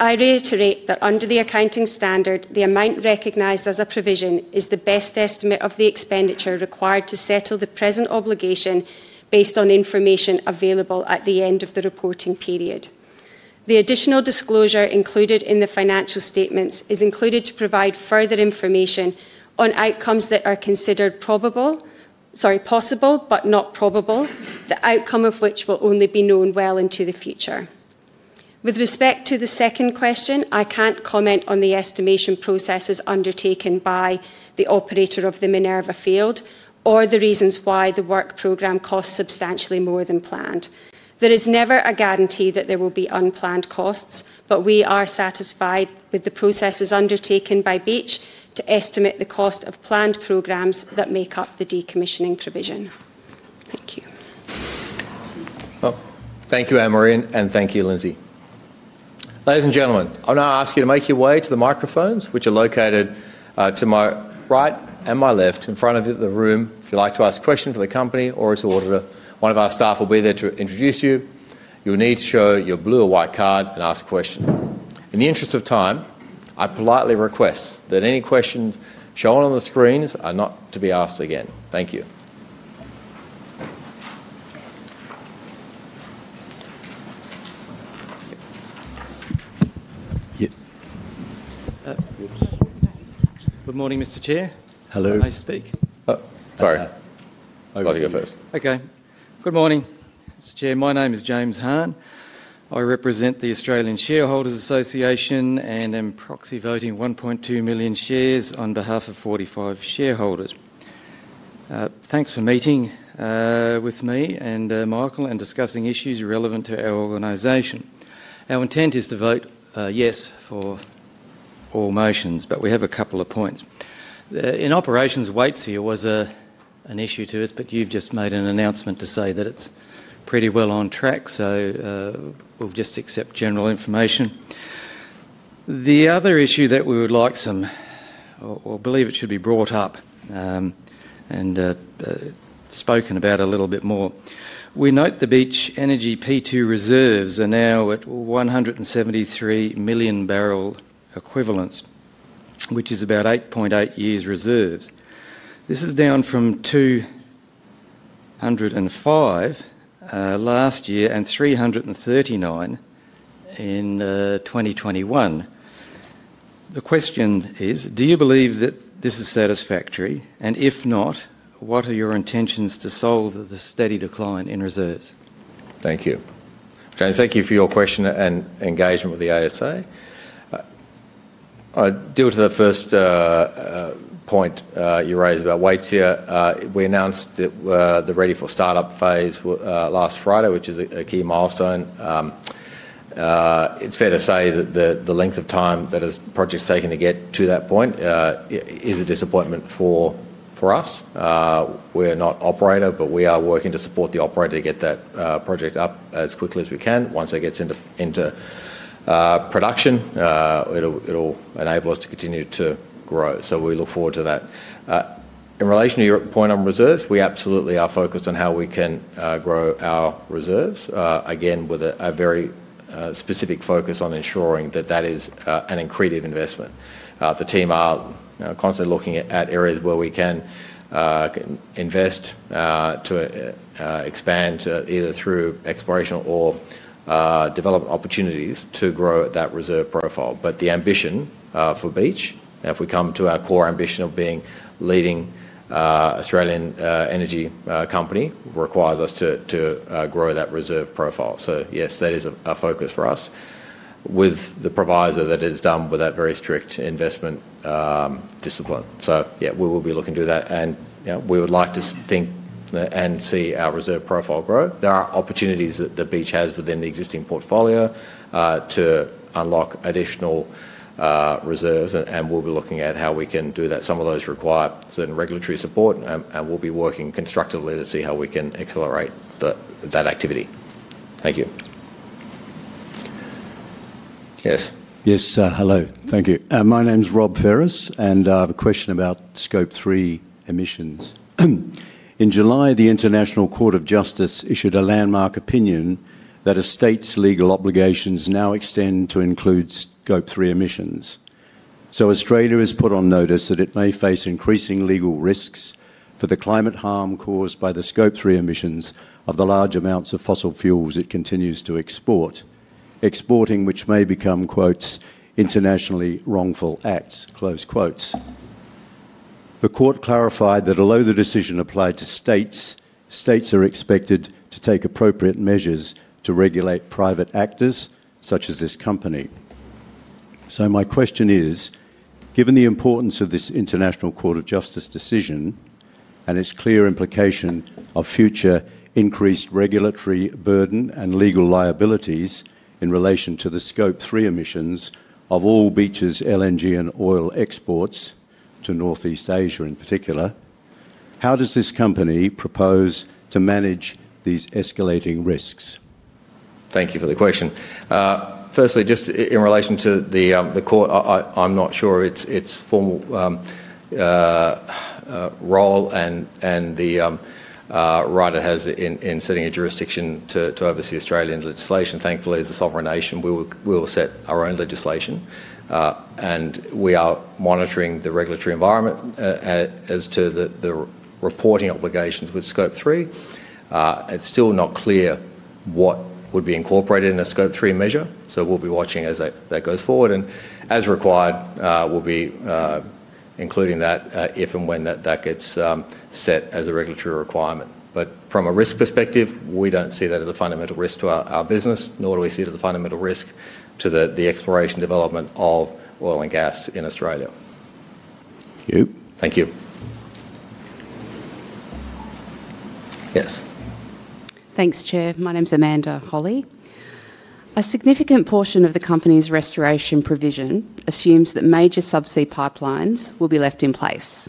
I reiterate that under the accounting standard, the amount recognized as a provision is the best estimate of the expenditure required to settle the present obligation based on information available at the end of the reporting period. The additional disclosure included in the financial statements is included to provide further information on outcomes that are considered possible, but not probable, the outcome of which will only be known well into the future. With respect to the second question, I can't comment on the estimation processes undertaken by the operator of the Minerva Field or the reasons why the work programme costs substantially more than planned. There is never a guarantee that there will be unplanned costs, but we are satisfied with the processes undertaken by Beach to estimate the cost of planned programmes that make up the decommissioning provision. Thank you. Thank you, Anne-Marie, and thank you, Linzi. Ladies and gentlemen, I'm now asking you to make your way to the microphones, which are located to my right and my left in front of the room. If you'd like to ask a question for the company or to auditor, one of our staff will be there to introduce you. You will need to show your blue or white card and ask a question. In the interest of time, I politely request that any questions shown on the screens are not to be asked again. Thank you. Good morning, Mr. Chair. Hello. May I speak? Sorry. I'll take it first. Okay. Good morning, Mr. Chair. My name is James Hunt. I represent the Australian Shareholders Association and am proxy voting 1.2 million shares on behalf of 45 shareholders. Thanks for meeting with me and Michael and discussing issues relevant to our organization. Our intent is to vote yes for all motions, but we have a couple of points. In operations, Waitsia was an issue to us, but you've just made an announcement to say that it's pretty well on track, so we'll just accept general information. The other issue that we would like some or believe it should be brought up and spoken about a little bit more. We note the Beach Energy P2 reserves are now at 173 million barrel equivalents, which is about 8.8 years reserves. This is down from 205 last year and 339 in 2021. The question is, do you believe that this is satisfactory? If not, what are your intentions to solve the steady decline in reserves? Thank you. James, thank you for your question and engagement with the ASA. I deal to the first point you raised about Waitsia. We announced that the ready for start-up phase last Friday, which is a key milestone. It is fair to say that the length of time that a project's taken to get to that point is a disappointment for us. We are not operator, but we are working to support the operator to get that project up as quickly as we can. Once it gets into production, it will enable us to continue to grow. We look forward to that. In relation to your point on reserves, we absolutely are focused on how we can grow our reserves, again with a very specific focus on ensuring that that is an innovative investment. The team are constantly looking at areas where we can invest to expand either through exploration or develop opportunities to grow at that reserve profile. The ambition for Beach, if we come to our core ambition of being a leading Australian energy company, requires us to grow that reserve profile. Yes, that is a focus for us with the proviso that it is done with that very strict investment discipline. Yeah, we will be looking to do that. We would like to think and see our reserve profile grow. There are opportunities that Beach has within the existing portfolio to unlock additional reserves, and we'll be looking at how we can do that. Some of those require certain regulatory support, and we'll be working constructively to see how we can accelerate that activity. Thank you. Yes. Yes. Hello. Thank you. My name's Rob Ferris, and I have a question about scope 3 emissions. In July, the International Court of Justice issued a landmark opinion that a state's legal obligations now extend to include scope 3 emissions. Australia is put on notice that it may face increasing legal risks for the climate harm caused by the Scope 3 emissions of the large amounts of fossil fuels it continues to export, exporting which may become "internationally wrongful acts." The court clarified that although the decision applied to states, states are expected to take appropriate measures to regulate private actors such as this company. My question is, given the importance of this International Court of Justice decision and its clear implication of future increased regulatory burden and legal liabilities in relation to the Scope 3 emissions of all Beach's LNG and oil exports to Northeast Asia in particular, how does this company propose to manage these escalating risks? Thank you for the question. Firstly, just in relation to the court, I'm not sure its formal role and the right it has in setting a jurisdiction to oversee Australian legislation. Thankfully, as a sovereign nation, we will set our own legislation, and we are monitoring the regulatory environment as to the reporting obligations with scope 3. It's still not clear what would be incorporated in a scope 3 measure, so we'll be watching as that goes forward. As required, we'll be including that if and when that gets set as a regulatory requirement. From a risk perspective, we don't see that as a fundamental risk to our business, nor do we see it as a fundamental risk to the exploration development of oil and gas in Australia. Thank you. Thank you. Yes. Thanks, Chair. My name's Amanda Holly.A significant portion of the company's restoration provision assumes that major subsea pipelines will be left in place.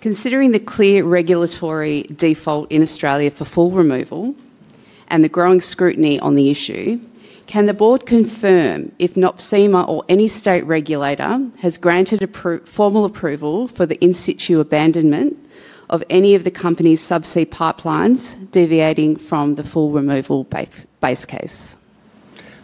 Considering the clear regulatory default in Australia for full removal and the growing scrutiny on the issue, can the board confirm if NOPSEMA or any state regulator has granted formal approval for the in-situ abandonment of any of the company's subsea pipelines deviating from the full removal base case?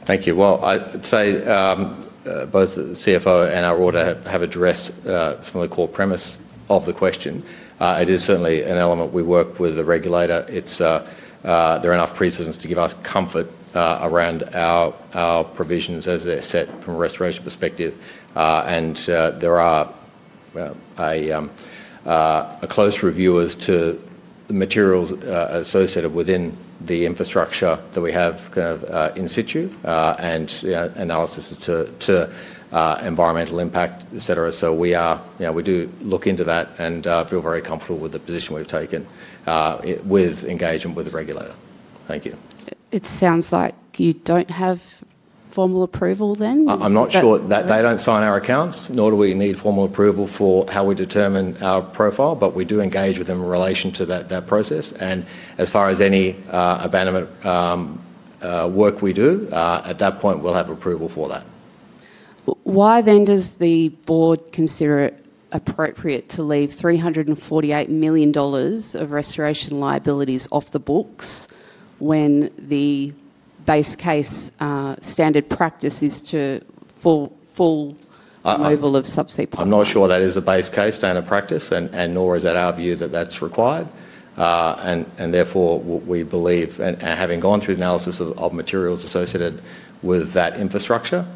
Thank you. I would say both the CFO and our auditor have addressed some of the core premise of the question. It is certainly an element we work with the regulator. There are enough precedents to give us comfort around our provisions as they are set from a restoration perspective. There are close reviewers to the materials associated within the infrastructure that we have in situ and analysis to environmental impact, etc. We do look into that and feel very comfortable with the position we've taken with engagement with the regulator. Thank you. It sounds like you don't have formal approval then. I'm not sure that they don't sign our accounts, nor do we need formal approval for how we determine our profile, but we do engage with them in relation to that process. As far as any abandonment work we do, at that point, we'll have approval for that. Why then does the board consider it appropriate to leave 348 million dollars of restoration liabilities off the books when the base case standard practice is full removal of subsea pipelines? I'm not sure that is a base case standard practice, nor is that our view that that's required. Therefore, we believe, and having gone through the analysis of materials associated with that infrastructure,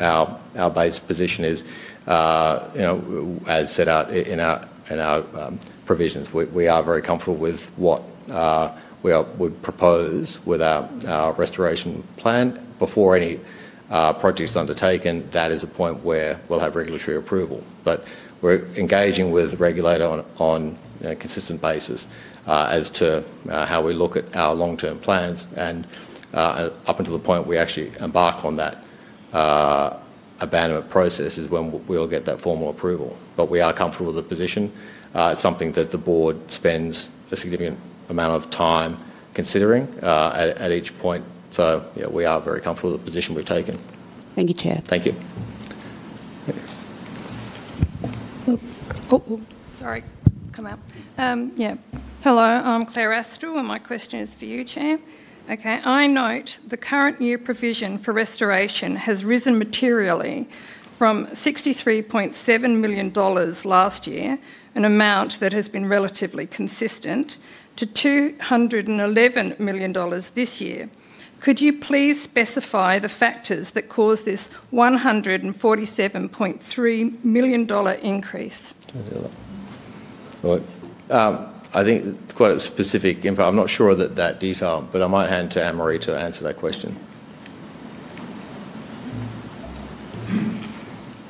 our base position is, as set out in our provisions, we are very comfortable with what we would propose with our restoration plan. Before any project is undertaken, that is a point where we'll have regulatory approval. We are engaging with the regulator on a consistent basis as to how we look at our long-term plans. Up until the point we actually embark on that abandonment process is when we'll get that formal approval. We are comfortable with the position. It's something that the board spends a significant amount of time considering at each point. We are very comfortable with the position we've taken. Thank you, Chair. Thank you. Sorry. Come out. Yeah. Hello. I'm Claire Astral, and my question is for you, Chair. Okay.I note the current year provision for restoration has risen materially from 63.7 million dollars last year, an amount that has been relatively consistent, to 211 million dollars this year. Could you please specify the factors that caused this 147.3 million dollar increase? I think it's quite a specific impact. I'm not sure of that detail, but I might hand to Anne-Marie to answer that question.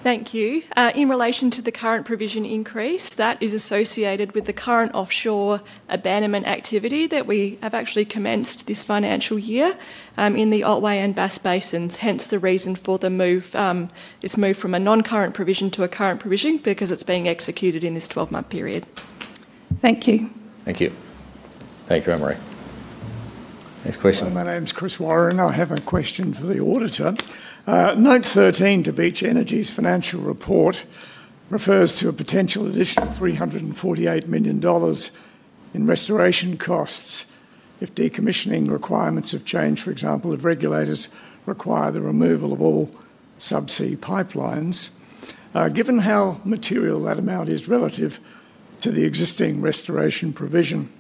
Thank you. In relation to the current provision increase, that is associated with the current offshore abandonment activity that we have actually commenced this financial year in the Otway and Bass Basins. Hence the reason for this move from a non-current provision to a current provision because it's being executed in this 12-month period. Thank you. Thank you. Thank you, Anne-Marie. Next question. My name's Chris Warren. I have a question for the auditor. Note 13 to Beach Energy's financial report refers to a potential additional 348 million dollars in restoration costs if decommissioning requirements change, for example, if regulators require the removal of all subsea pipelines. Given how material that amount is relative to the existing restoration provision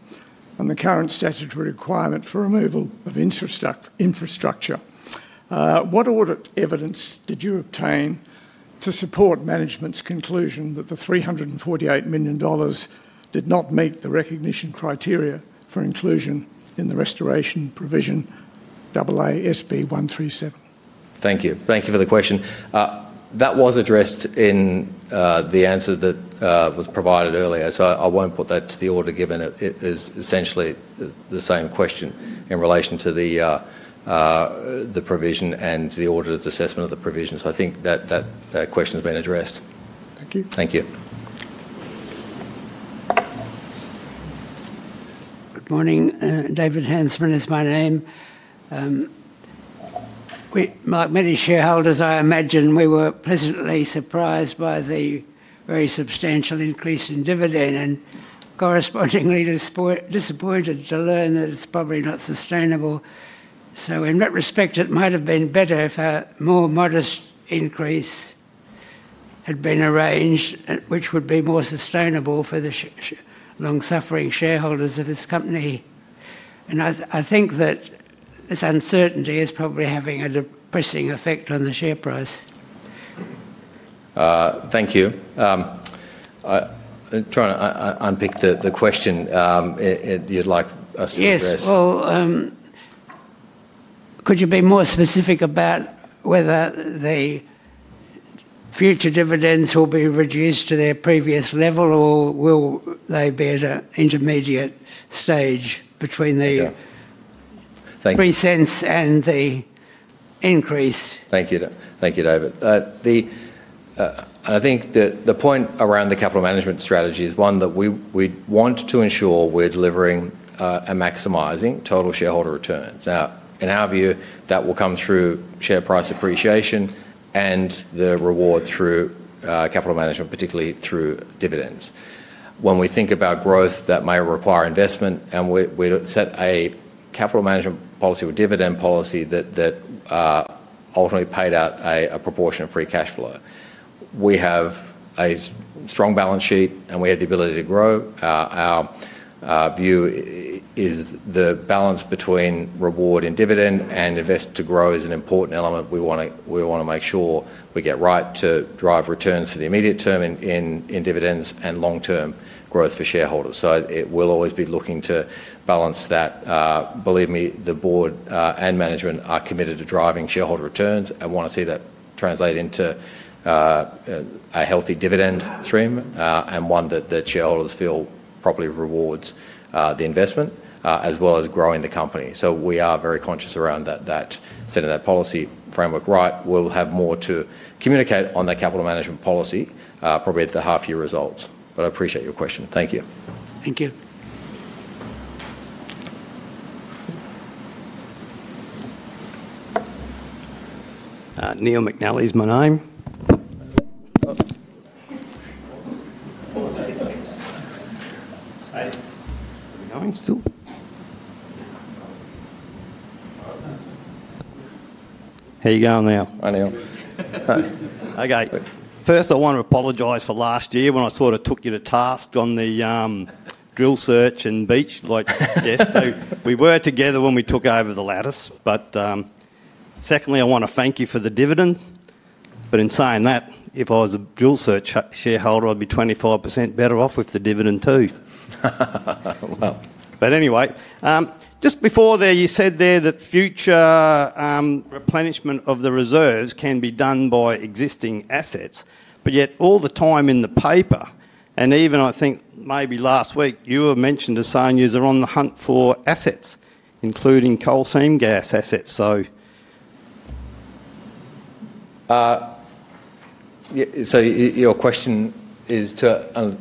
and the current statutory requirement for removal of infrastructure, what audit evidence did you obtain to support management's conclusion that the 348 million dollars did not meet the recognition criteria for inclusion in the restoration provision AASB 137? Thank you. Thank you for the question. That was addressed in the answer that was provided earlier, so I won't put that to the auditor given it is essentially the same question in relation to the provision and the auditor's assessment of the provision. I think that that question has been addressed. Thank you. Thank you. Good morning. David Hansman is my name. Like many shareholders, I imagine we were pleasantly surprised by the very substantial increase in dividend and correspondingly disappointed to learn that it's probably not sustainable. In that respect, it might have been better if a more modest increase had been arranged, which would be more sustainable for the long-suffering shareholders of this company. I think that this uncertainty is probably having a depressing effect on the share price. Thank you. I'm trying to unpick the question you'd like us to address. Yes. Could you be more specific about whether the future dividends will be reduced to their previous level or will they be at an intermediate stage between the three cents and the increase? Thank you, David. I think the point around the capital management strategy is one that we want to ensure we're delivering and maximizing total shareholder returns. Now, in our view, that will come through share price appreciation and the reward through capital management, particularly through dividends. When we think about growth, that may require investment, and we set a capital management policy with dividend policy that ultimately paid out a proportion of Free cash flow. We have a strong Balance sheet, and we have the ability to grow. Our view is the balance between reward and dividend and invest to grow is an important element. We want to make sure we get right to drive returns for the immediate term in dividends and long-term growth for shareholders. We'll always be looking to balance that. Believe me, the board and management are committed to driving shareholder returns and want to see that translate into a healthy dividend stream and one that shareholders feel properly rewards the investment as well as growing the company. We are very conscious around that, setting that policy framework right. We'll have more to communicate on that capital management policy, probably at the half-year results. I appreciate your question. Thank you. Thank you. Neil McNally's my name. How are you going, Neil? Hi, Neil. Okay. First, I want to apologize for last year when I sort of took you to task on the Drillsearch in Beach. We were together when we took over the Lattice. Secondly, I want to thank you for the dividend. In saying that, if I was a Drillsearch shareholder, I'd be 25% better off with the dividend too. Anyway, just before there, you said that future replenishment of the reserves can be done by existing assets. Yet all the time in the paper, and even I think maybe last week, you were mentioned as saying you're on the hunt for assets, including coal seam gas assets. Your question is to.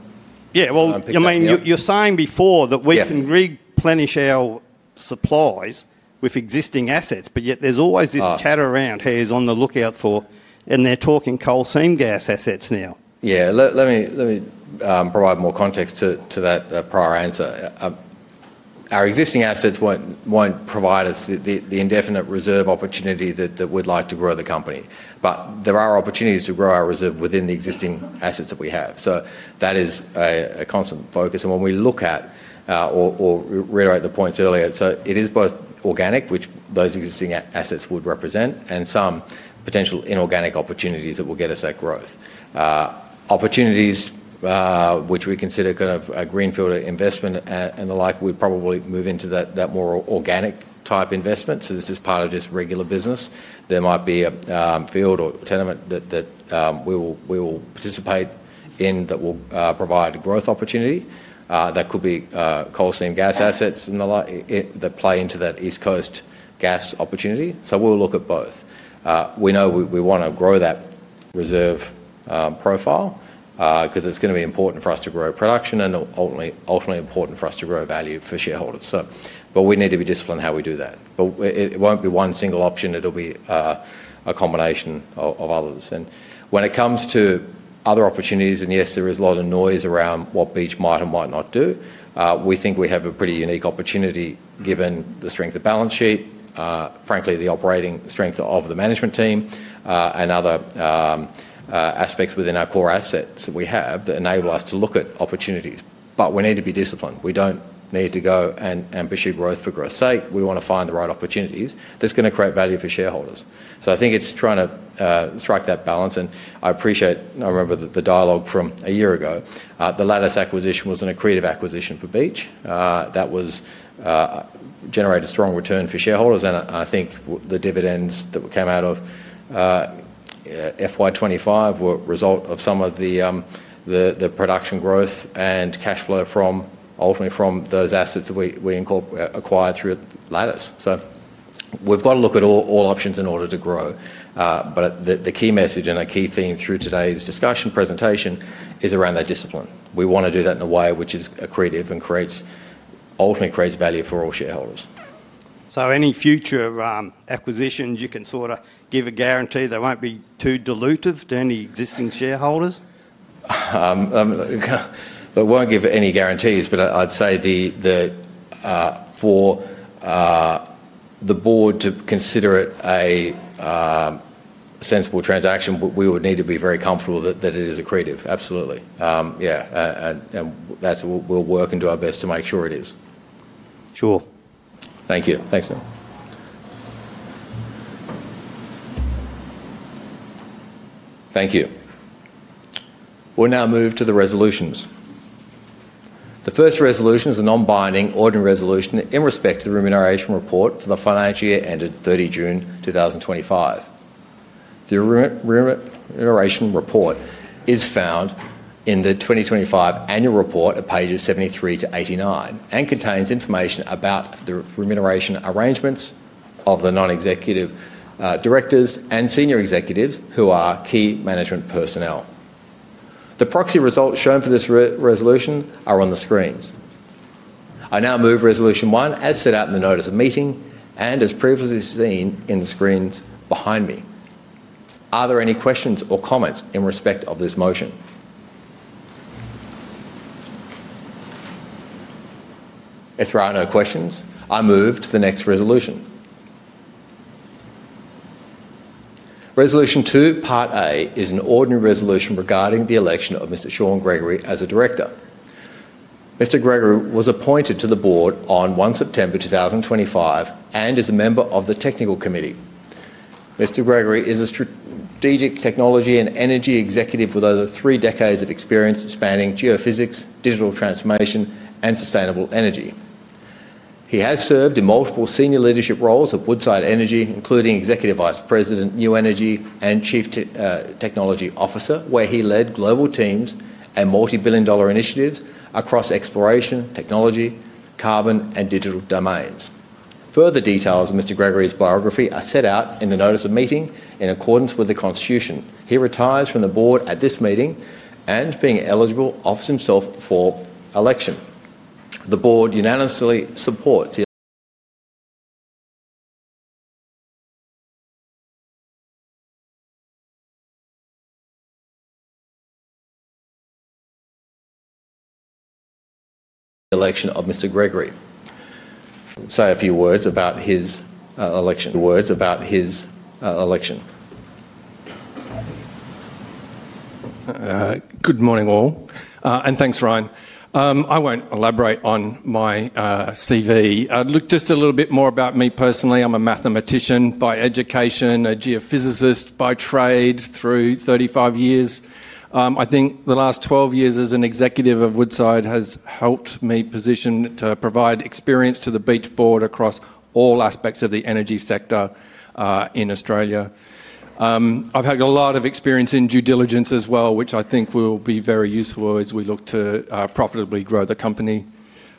Yeah. I mean, you're saying before that we can replenish our supplies with existing assets, but yet there's always this chatter around who's on the lookout for, and they're talking coal seam gas assets now. Yeah. Let me provide more context to that prior answer. Our existing assets won't provide us the indefinite reserve opportunity that we'd like to grow the company. But there are opportunities to grow our reserve within the existing assets that we have. That is a constant focus. When we look at or reiterate the points earlier, it is both organic, which those existing assets would represent, and some potential inorganic opportunities that will get us that growth. Opportunities which we consider kind of a greenfield investment and the like, we'd probably move into that more organic type investment. This is part of just regular business. There might be a field or tenement that we will participate in that will provide growth opportunity. That could be coal seam gas assets that play into that East Coast gas opportunity. We'll look at both. We know we want to grow that reserve profile because it's going to be important for us to grow production and ultimately important for us to grow value for shareholders. We need to be disciplined in how we do that. It won't be one single option. It'll be a combination of others. When it comes to other opportunities, and yes, there is a lot of noise around what Beach might and might not do, we think we have a pretty unique opportunity given the strength of balance sheet, frankly, the operating strength of the management team, and other aspects within our core assets that we have that enable us to look at opportunities. We need to be disciplined. We do not need to go and ambush growth for growth's sake. We want to find the right opportunities that are going to create value for shareholders. I think it is trying to strike that balance. I remember the dialogue from a year ago. The Lattice acquisition was an accretive acquisition for Beach. That generated a strong return for shareholders. I think the dividends that came out of FY 2025 were a result of some of the production growth and cash flow ultimately from those assets that we acquired through Lattice. We have to look at all options in order to grow. The key message and the key theme through today's discussion presentation is around that discipline. We want to do that in a way which is accretive and ultimately creates value for all shareholders. Any future acquisitions, you can sort of give a guarantee that will not be too dilutive to any existing shareholders? They will not give any guarantees, but I would say for the board to consider it a sensible transaction, we would need to be very comfortable that it is accretive. Absolutely. Yeah. We will work and do our best to make sure it is. Sure. Thank you. Thanks, Neil. Thank you. We'll now move to the resolutions. The first resolution is a non-binding ordinary resolution in respect to the remuneration report for the financial year ended 30 June 2025. The remuneration report is found in the 2025 annual report at pages 73 to 89 and contains information about the remuneration arrangements of the non-executive directors and senior executives who are key management personnel. The proxy results shown for this resolution are on the screens. I now move resolution one as set out in the notice of meeting and as previously seen in the screens behind me. Are there any questions or comments in respect of this motion? If there are no questions, I move to the next resolution. Resolution two, part A, is an ordinary resolution regarding the election of Mr. Shaun Gregory as a director. Mr. Gregory was appointed to the board on 1 September 2025 and is a member of the technical committee. Mr. Gregory is a strategic technology and energy executive with over three decades of experience spanning geophysics, digital transformation, and sustainable energy. He has served in multiple senior leadership roles at Woodside Energy, including Executive Vice President, New Energy, and Chief Technology Officer, where he led global teams and multi-billion dollar initiatives across exploration, technology, carbon, and digital domains. Further details of Mr. Gregory's biography are set out in the notice of meeting in accordance with the constitution. He retires from the board at this meeting and, being eligible, offers himself for election. The board unanimously supports the election of Mr. Gregory. Say a few words about his election. Words about his election. Good morning, all. Thanks, Ryan. I won't elaborate on my CV .Look, just a little bit more about me personally. I'm a mathematician by education, a geophysicist by trade through 35 years. I think the last 12 years as an executive of Woodside has helped me position to provide experience to the Beach board across all aspects of the energy sector in Australia. I've had a lot of experience in due diligence as well, which I think will be very useful as we look to profitably grow the company.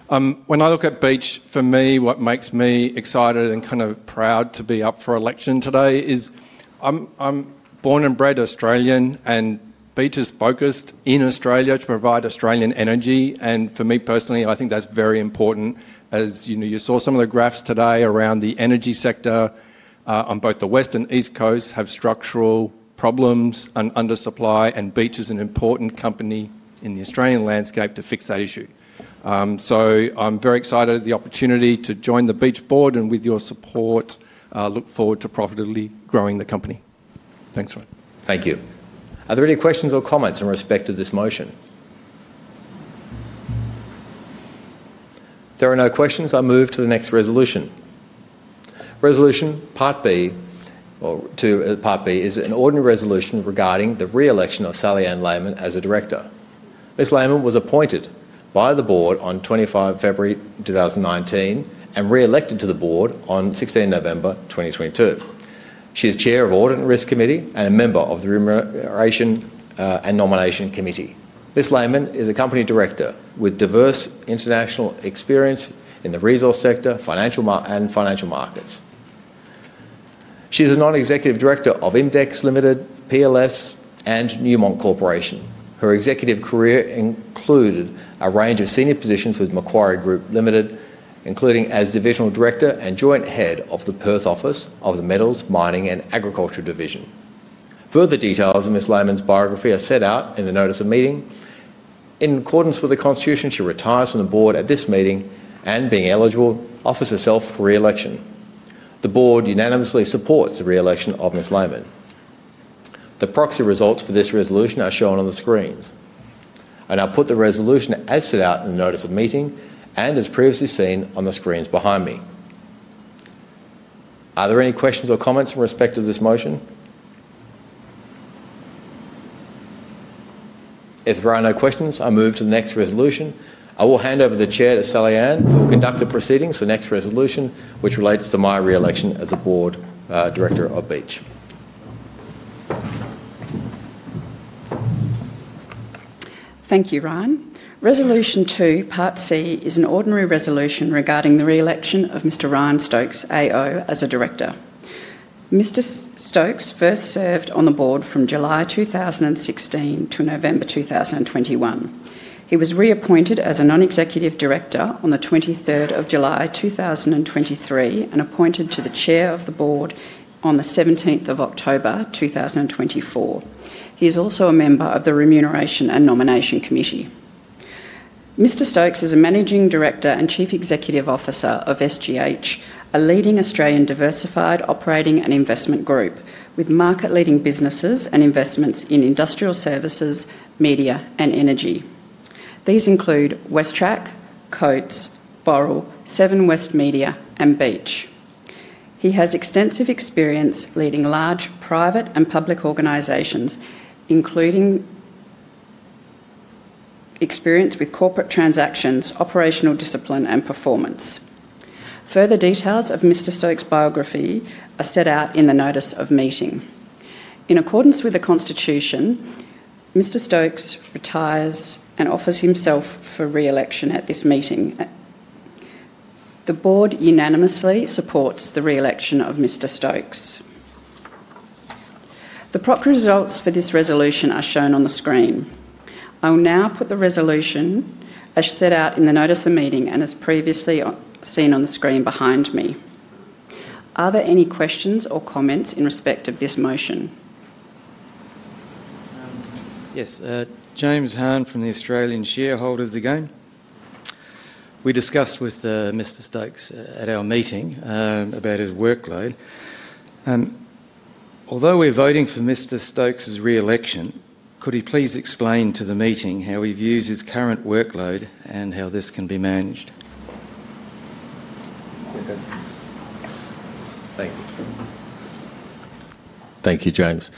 When I look at Beach, for me, what makes me excited and kind of proud to be up for election today is I'm born and bred Australian, and Beach is focused in Australia to provide Australian energy. For me personally, I think that's very important. As you saw, some of the graphs today around the energy sector on both the West and East Coast have structural problems and undersupply, and Beach is an important company in the Australian landscape to fix that issue. I am very excited at the opportunity to join the Beach board, and with your support, look forward to profitably growing the company. Thanks, Ryan. Thank you. Are there any questions or comments in respect of this motion? There are no questions. I move to the next resolution. Resolution part B, or to part B, is an ordinary resolution regarding the re-election of Sally Ann Lehman as a director. Ms. Lehman was appointed by the board on 25 February 2019 and re-elected to the board on 16 November 2022. She is Chair of the ordinary risk committee and a member of the remuneration and nomination committee. Ms. Layman is a company director with diverse international experience in the resource sector and financial markets. She is a non-executive director of Index Limited, PLS, and Newmont Corporation. Her executive career included a range of senior positions with Macquarie Group Limited, including as divisional director and joint head of the Perth office of the Metals, Mining, and Agriculture Division. Further details of Ms. Lehman's biography are set out in the notice of meeting. In accordance with the constitution, she retires from the board at this meeting and, being eligible, offers herself for re-election. The board unanimously supports the re-election of Ms. Lehman. The proxy results for this resolution are shown on the screens. I'll put the resolution as set out in the notice of meeting and as previously seen on the screens behind me. Are there any questions or comments in respect of this motion? If there are no questions, I move to the next resolution. I will hand over the chair to Sally Ann, who will conduct the proceedings for the next resolution, which relates to my re-election as the board director of Beach. Thank you, Ryan. Resolution two, part C, is an ordinary resolution regarding the re-election of Mr. Ryan Stokes AO as a director. Mr. Stokes first served on the board from July 2016 to November 2021. He was reappointed as a non-executive director on the 23rd of July 2023 and appointed to the chair of the board on the 17th of October 2024. He is also a member of the remuneration and nomination committee. Mr. Stokes is a Managing Director and Chief Executive Officer of SGH, a leading Australian diversified operating and investment group with market-leading businesses and investments in industrial services, media, and energy. These include WesTrac, Coates, Boardroom, Seven West Media, and Beach. He has extensive experience leading large private and public organizations, including experience with corporate transactions, operational discipline, and performance. Further details of Mr. Stokes' biography are set out in the notice of meeting. In accordance with the constitution, Mr. Stokes retires and offers himself for re-election at this meeting. The board unanimously supports the re-election of Mr. Stokes. The proper results for this resolution are shown on the screen. I will now put the resolution as set out in the notice of meeting and as previously seen on the screen behind me. Are there any questions or comments in respect of this motion? Yes. James Hunt from the Australian Shareholders Association again. We discussed with Mr. Stokes at our meeting about his workload. Although we're voting for Mr.Stokes' re-election, could he please explain to the meeting how he views his current workload and how this can be managed? Thank you. Thank you, James.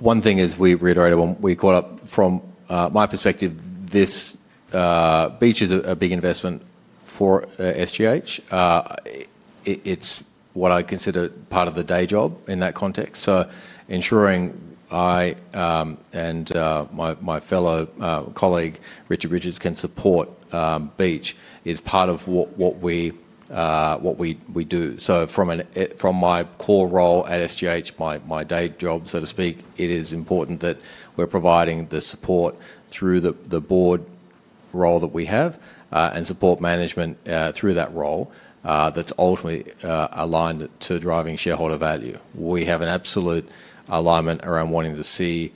One thing is we reiterated when we caught up from my perspective, Beach is a big investment for SGH. It's what I consider part of the day job in that context. Ensuring I and my fellow colleague, Richard Richards, can support Beach is part of what we do. From my core role at SGH, my day job, so to speak, it is important that we're providing the support through the board role that we have and support management through that role that's ultimately aligned to driving shareholder value. We have an absolute alignment around wanting to see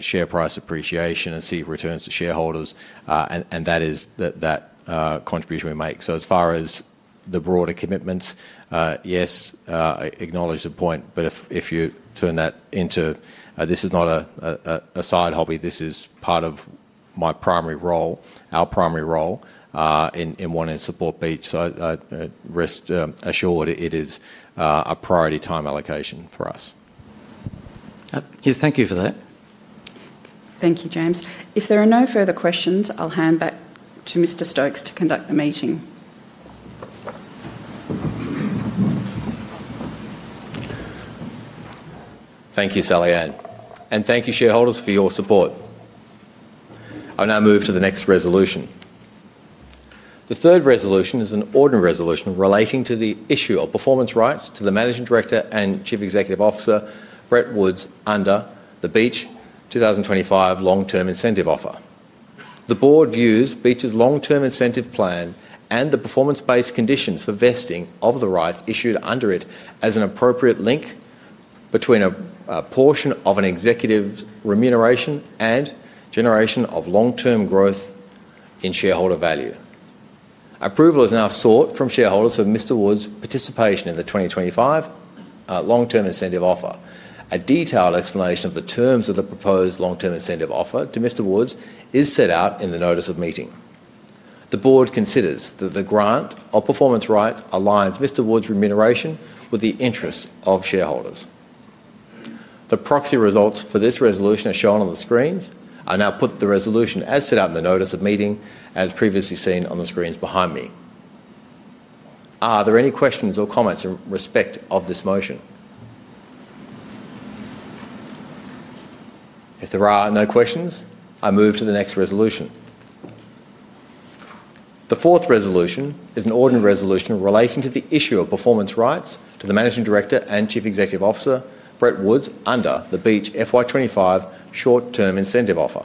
share price appreciation and see returns to shareholders, and that is that contribution we make. As far as the broader commitments, yes, I acknowledge the point, but if you turn that into this is not a side hobby. This is part of my primary role, our primary role in wanting to support Beach. I rest assured it is a priority time allocation for us. Yes, thank you for that. Thank you, James. If there are no further questions, I'll hand back to Mr. Stokes to conduct the meeting. Thank you, Sally Ann. Thank you, shareholders, for your support. I'll now move to the next resolution. The third resolution is an ordinary resolution relating to the issue of performance rights to the Managing Director and Chief Executive Officer, Brett Woods, under the Beach 2025 long-term incentive offer. The board views Beach's long-term incentive plan and the performance-based conditions for vesting of the rights issued under it as an appropriate link between a portion of an executive's remuneration and generation of long-term growth in shareholder value. Approval is now sought from shareholders for Mr. Woods' participation in the 2025 long-term incentive offer. A detailed explanation of the terms of the proposed long-term incentive offer to Mr. Woods is set out in the notice of meeting. The board considers that the grant of performance rights aligns Mr. Woods' remuneration with the interests of shareholders. The proxy results for this resolution are shown on the screens. I'll now put the resolution as set out in the notice of meeting as previously seen on the screens behind me. Are there any questions or comments in respect of this motion? If there are no questions, I move to the next resolution. The fourth resolution is an ordinary resolution relating to the issue of performance rights to the Managing Director and Chief Executive Officer, Brett Woods, under the Beach FY 2025 short-term incentive offer.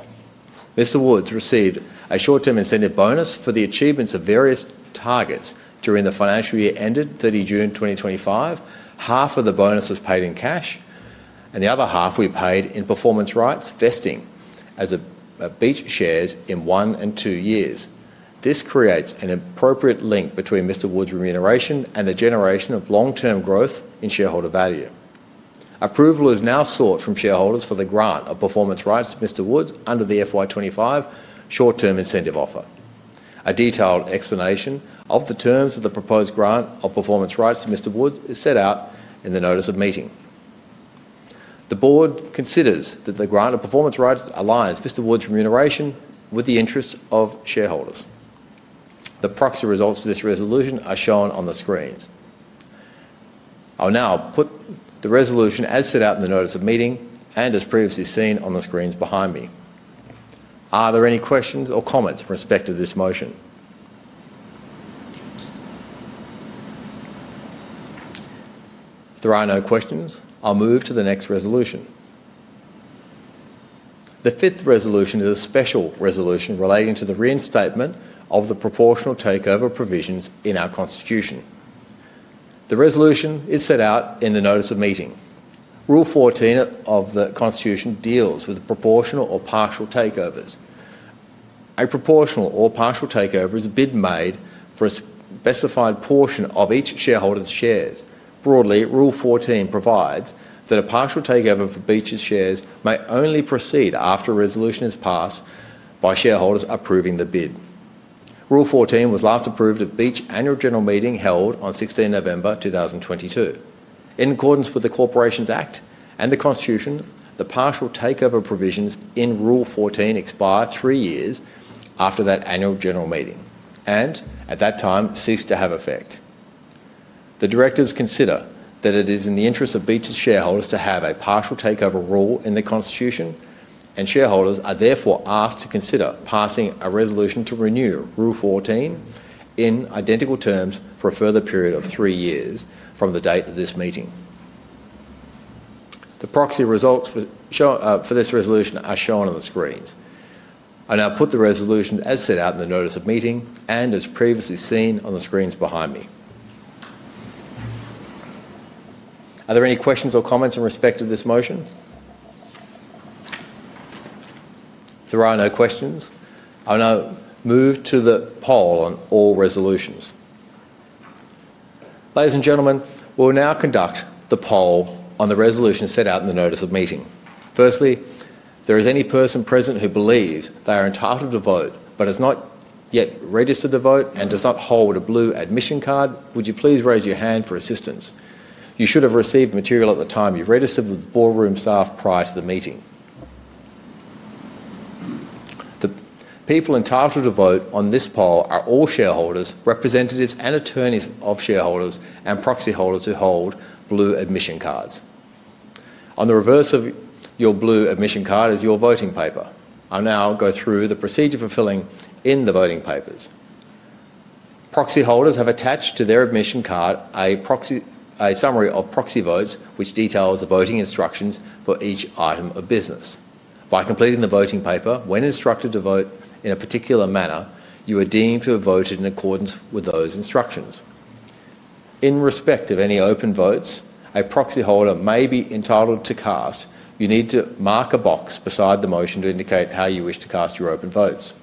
Mr. Woods received a short-term incentive bonus for the achievements of various targets during the financial year ended 30 June 2025. Half of the bonus was paid in cash, and the other half was paid in performance rights vesting as Beach shares in one and two years. This creates an appropriate link between Mr. Woods' remuneration and the generation of long-term growth in shareholder value. Approval is now sought from shareholders for the grant of performance rights to Mr. Woods under the FY 2025 short-term incentive offer. A detailed explanation of the terms of the proposed grant of performance rights to Mr. Woods is set out in the notice of meeting. The board considers that the grant of performance rights aligns Mr. Woods' remuneration with the interests of shareholders. The proxy results for this resolution are shown on the screens. I'll now put the resolution as set out in the notice of meeting and as previously seen on the screens behind me. Are there any questions or comments in respect of this motion? If there are no questions, I'll move to the next resolution. The fifth resolution is a special resolution relating to the reinstatement of the proportional takeover provisions in our constitution. The resolution is set out in the notice of meeting. Rule 14 of the constitution deals with proportional or partial takeovers. A proportional or partial takeover is a bid made for a specified portion of each shareholder's shares. Broadly, Rule 14 provides that a partial takeover for Beach's shares may only proceed after a resolution is passed by shareholders approving the bid. Rule 14 was last approved at Beach annual general meeting held on 16 November 2022. In accordance with the Corporations Act and the constitution, the partial takeover provisions in Rule 14 expire three years after that annual general meeting and at that time cease to have effect. The directors consider that it is in the interest of Beach's shareholders to have a partial takeover rule in the constitution, and shareholders are therefore asked to consider passing a resolution to renew Rule 14 in identical terms for a further period of three years from the date of this meeting. The proxy results for this resolution are shown on the screens. I'll now put the resolution as set out in the notice of meeting and as previously seen on the screens behind me. Are there any questions or comments in respect of this motion? If there are no questions, I'll now move to the poll on all resolutions. Ladies and gentlemen, we'll now conduct the poll on the resolution set out in the notice of meeting. Firstly, if there is any person present who believes they are entitled to vote but has not yet registered to vote and does not hold a blue admission card, would you please raise your hand for assistance? You should have received material at the time you registered with the Boardroom staff prior to the meeting. The people entitled to vote on this poll are all shareholders, representatives, and attorneys of shareholders and proxy holders who hold blue admission cards. On the reverse of your blue admission card is your voting paper. I'll now go through the procedure for filling in the voting papers. Proxy holders have attached to their admission card a summary of proxy votes, which details the voting instructions for each item of business. By completing the voting paper, when instructed to vote in a particular manner, you are deemed to have voted in accordance with those instructions. In respect of any open votes a proxy holder may be entitled to cast, you need to mark a box beside the motion to indicate how you wish to cast your open votes.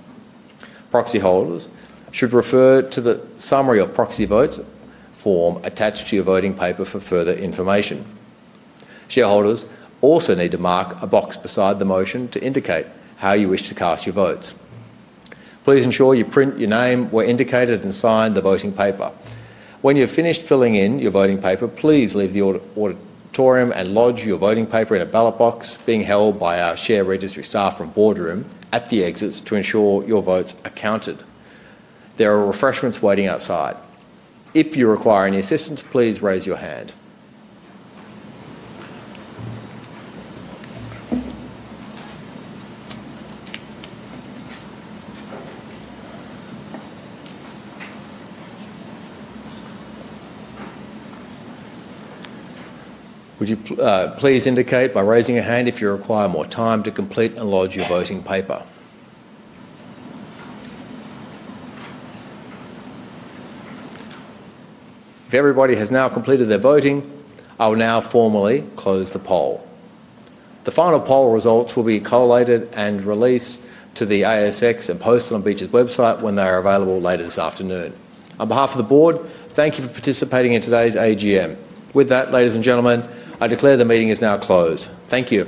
Proxy holders should refer to the summary of proxy votes form attached to your voting paper for further information. Shareholders also need to mark a box beside the motion to indicate how you wish to cast your votes. Please ensure you print your name where indicated and sign the voting paper. When you've finished filling in your voting paper, please leave the auditorium and lodge your voting paper in a ballot box being held by our share registry staff from Boardroom at the exits to ensure your votes are counted. There are refreshments waiting outside. If you require any assistance, please raise your hand. Would you please indicate by raising your hand if you require more time to complete and lodge your voting paper? If everybody has now completed their voting, I'll now formally close the poll. The final poll results will be collated and released to the ASX and posted on Beach's website when they are available later this afternoon. On behalf of the board, thank you for participating in today's AGM. With that, ladies and gentlemen, I declare the meeting is now closed. Thank you.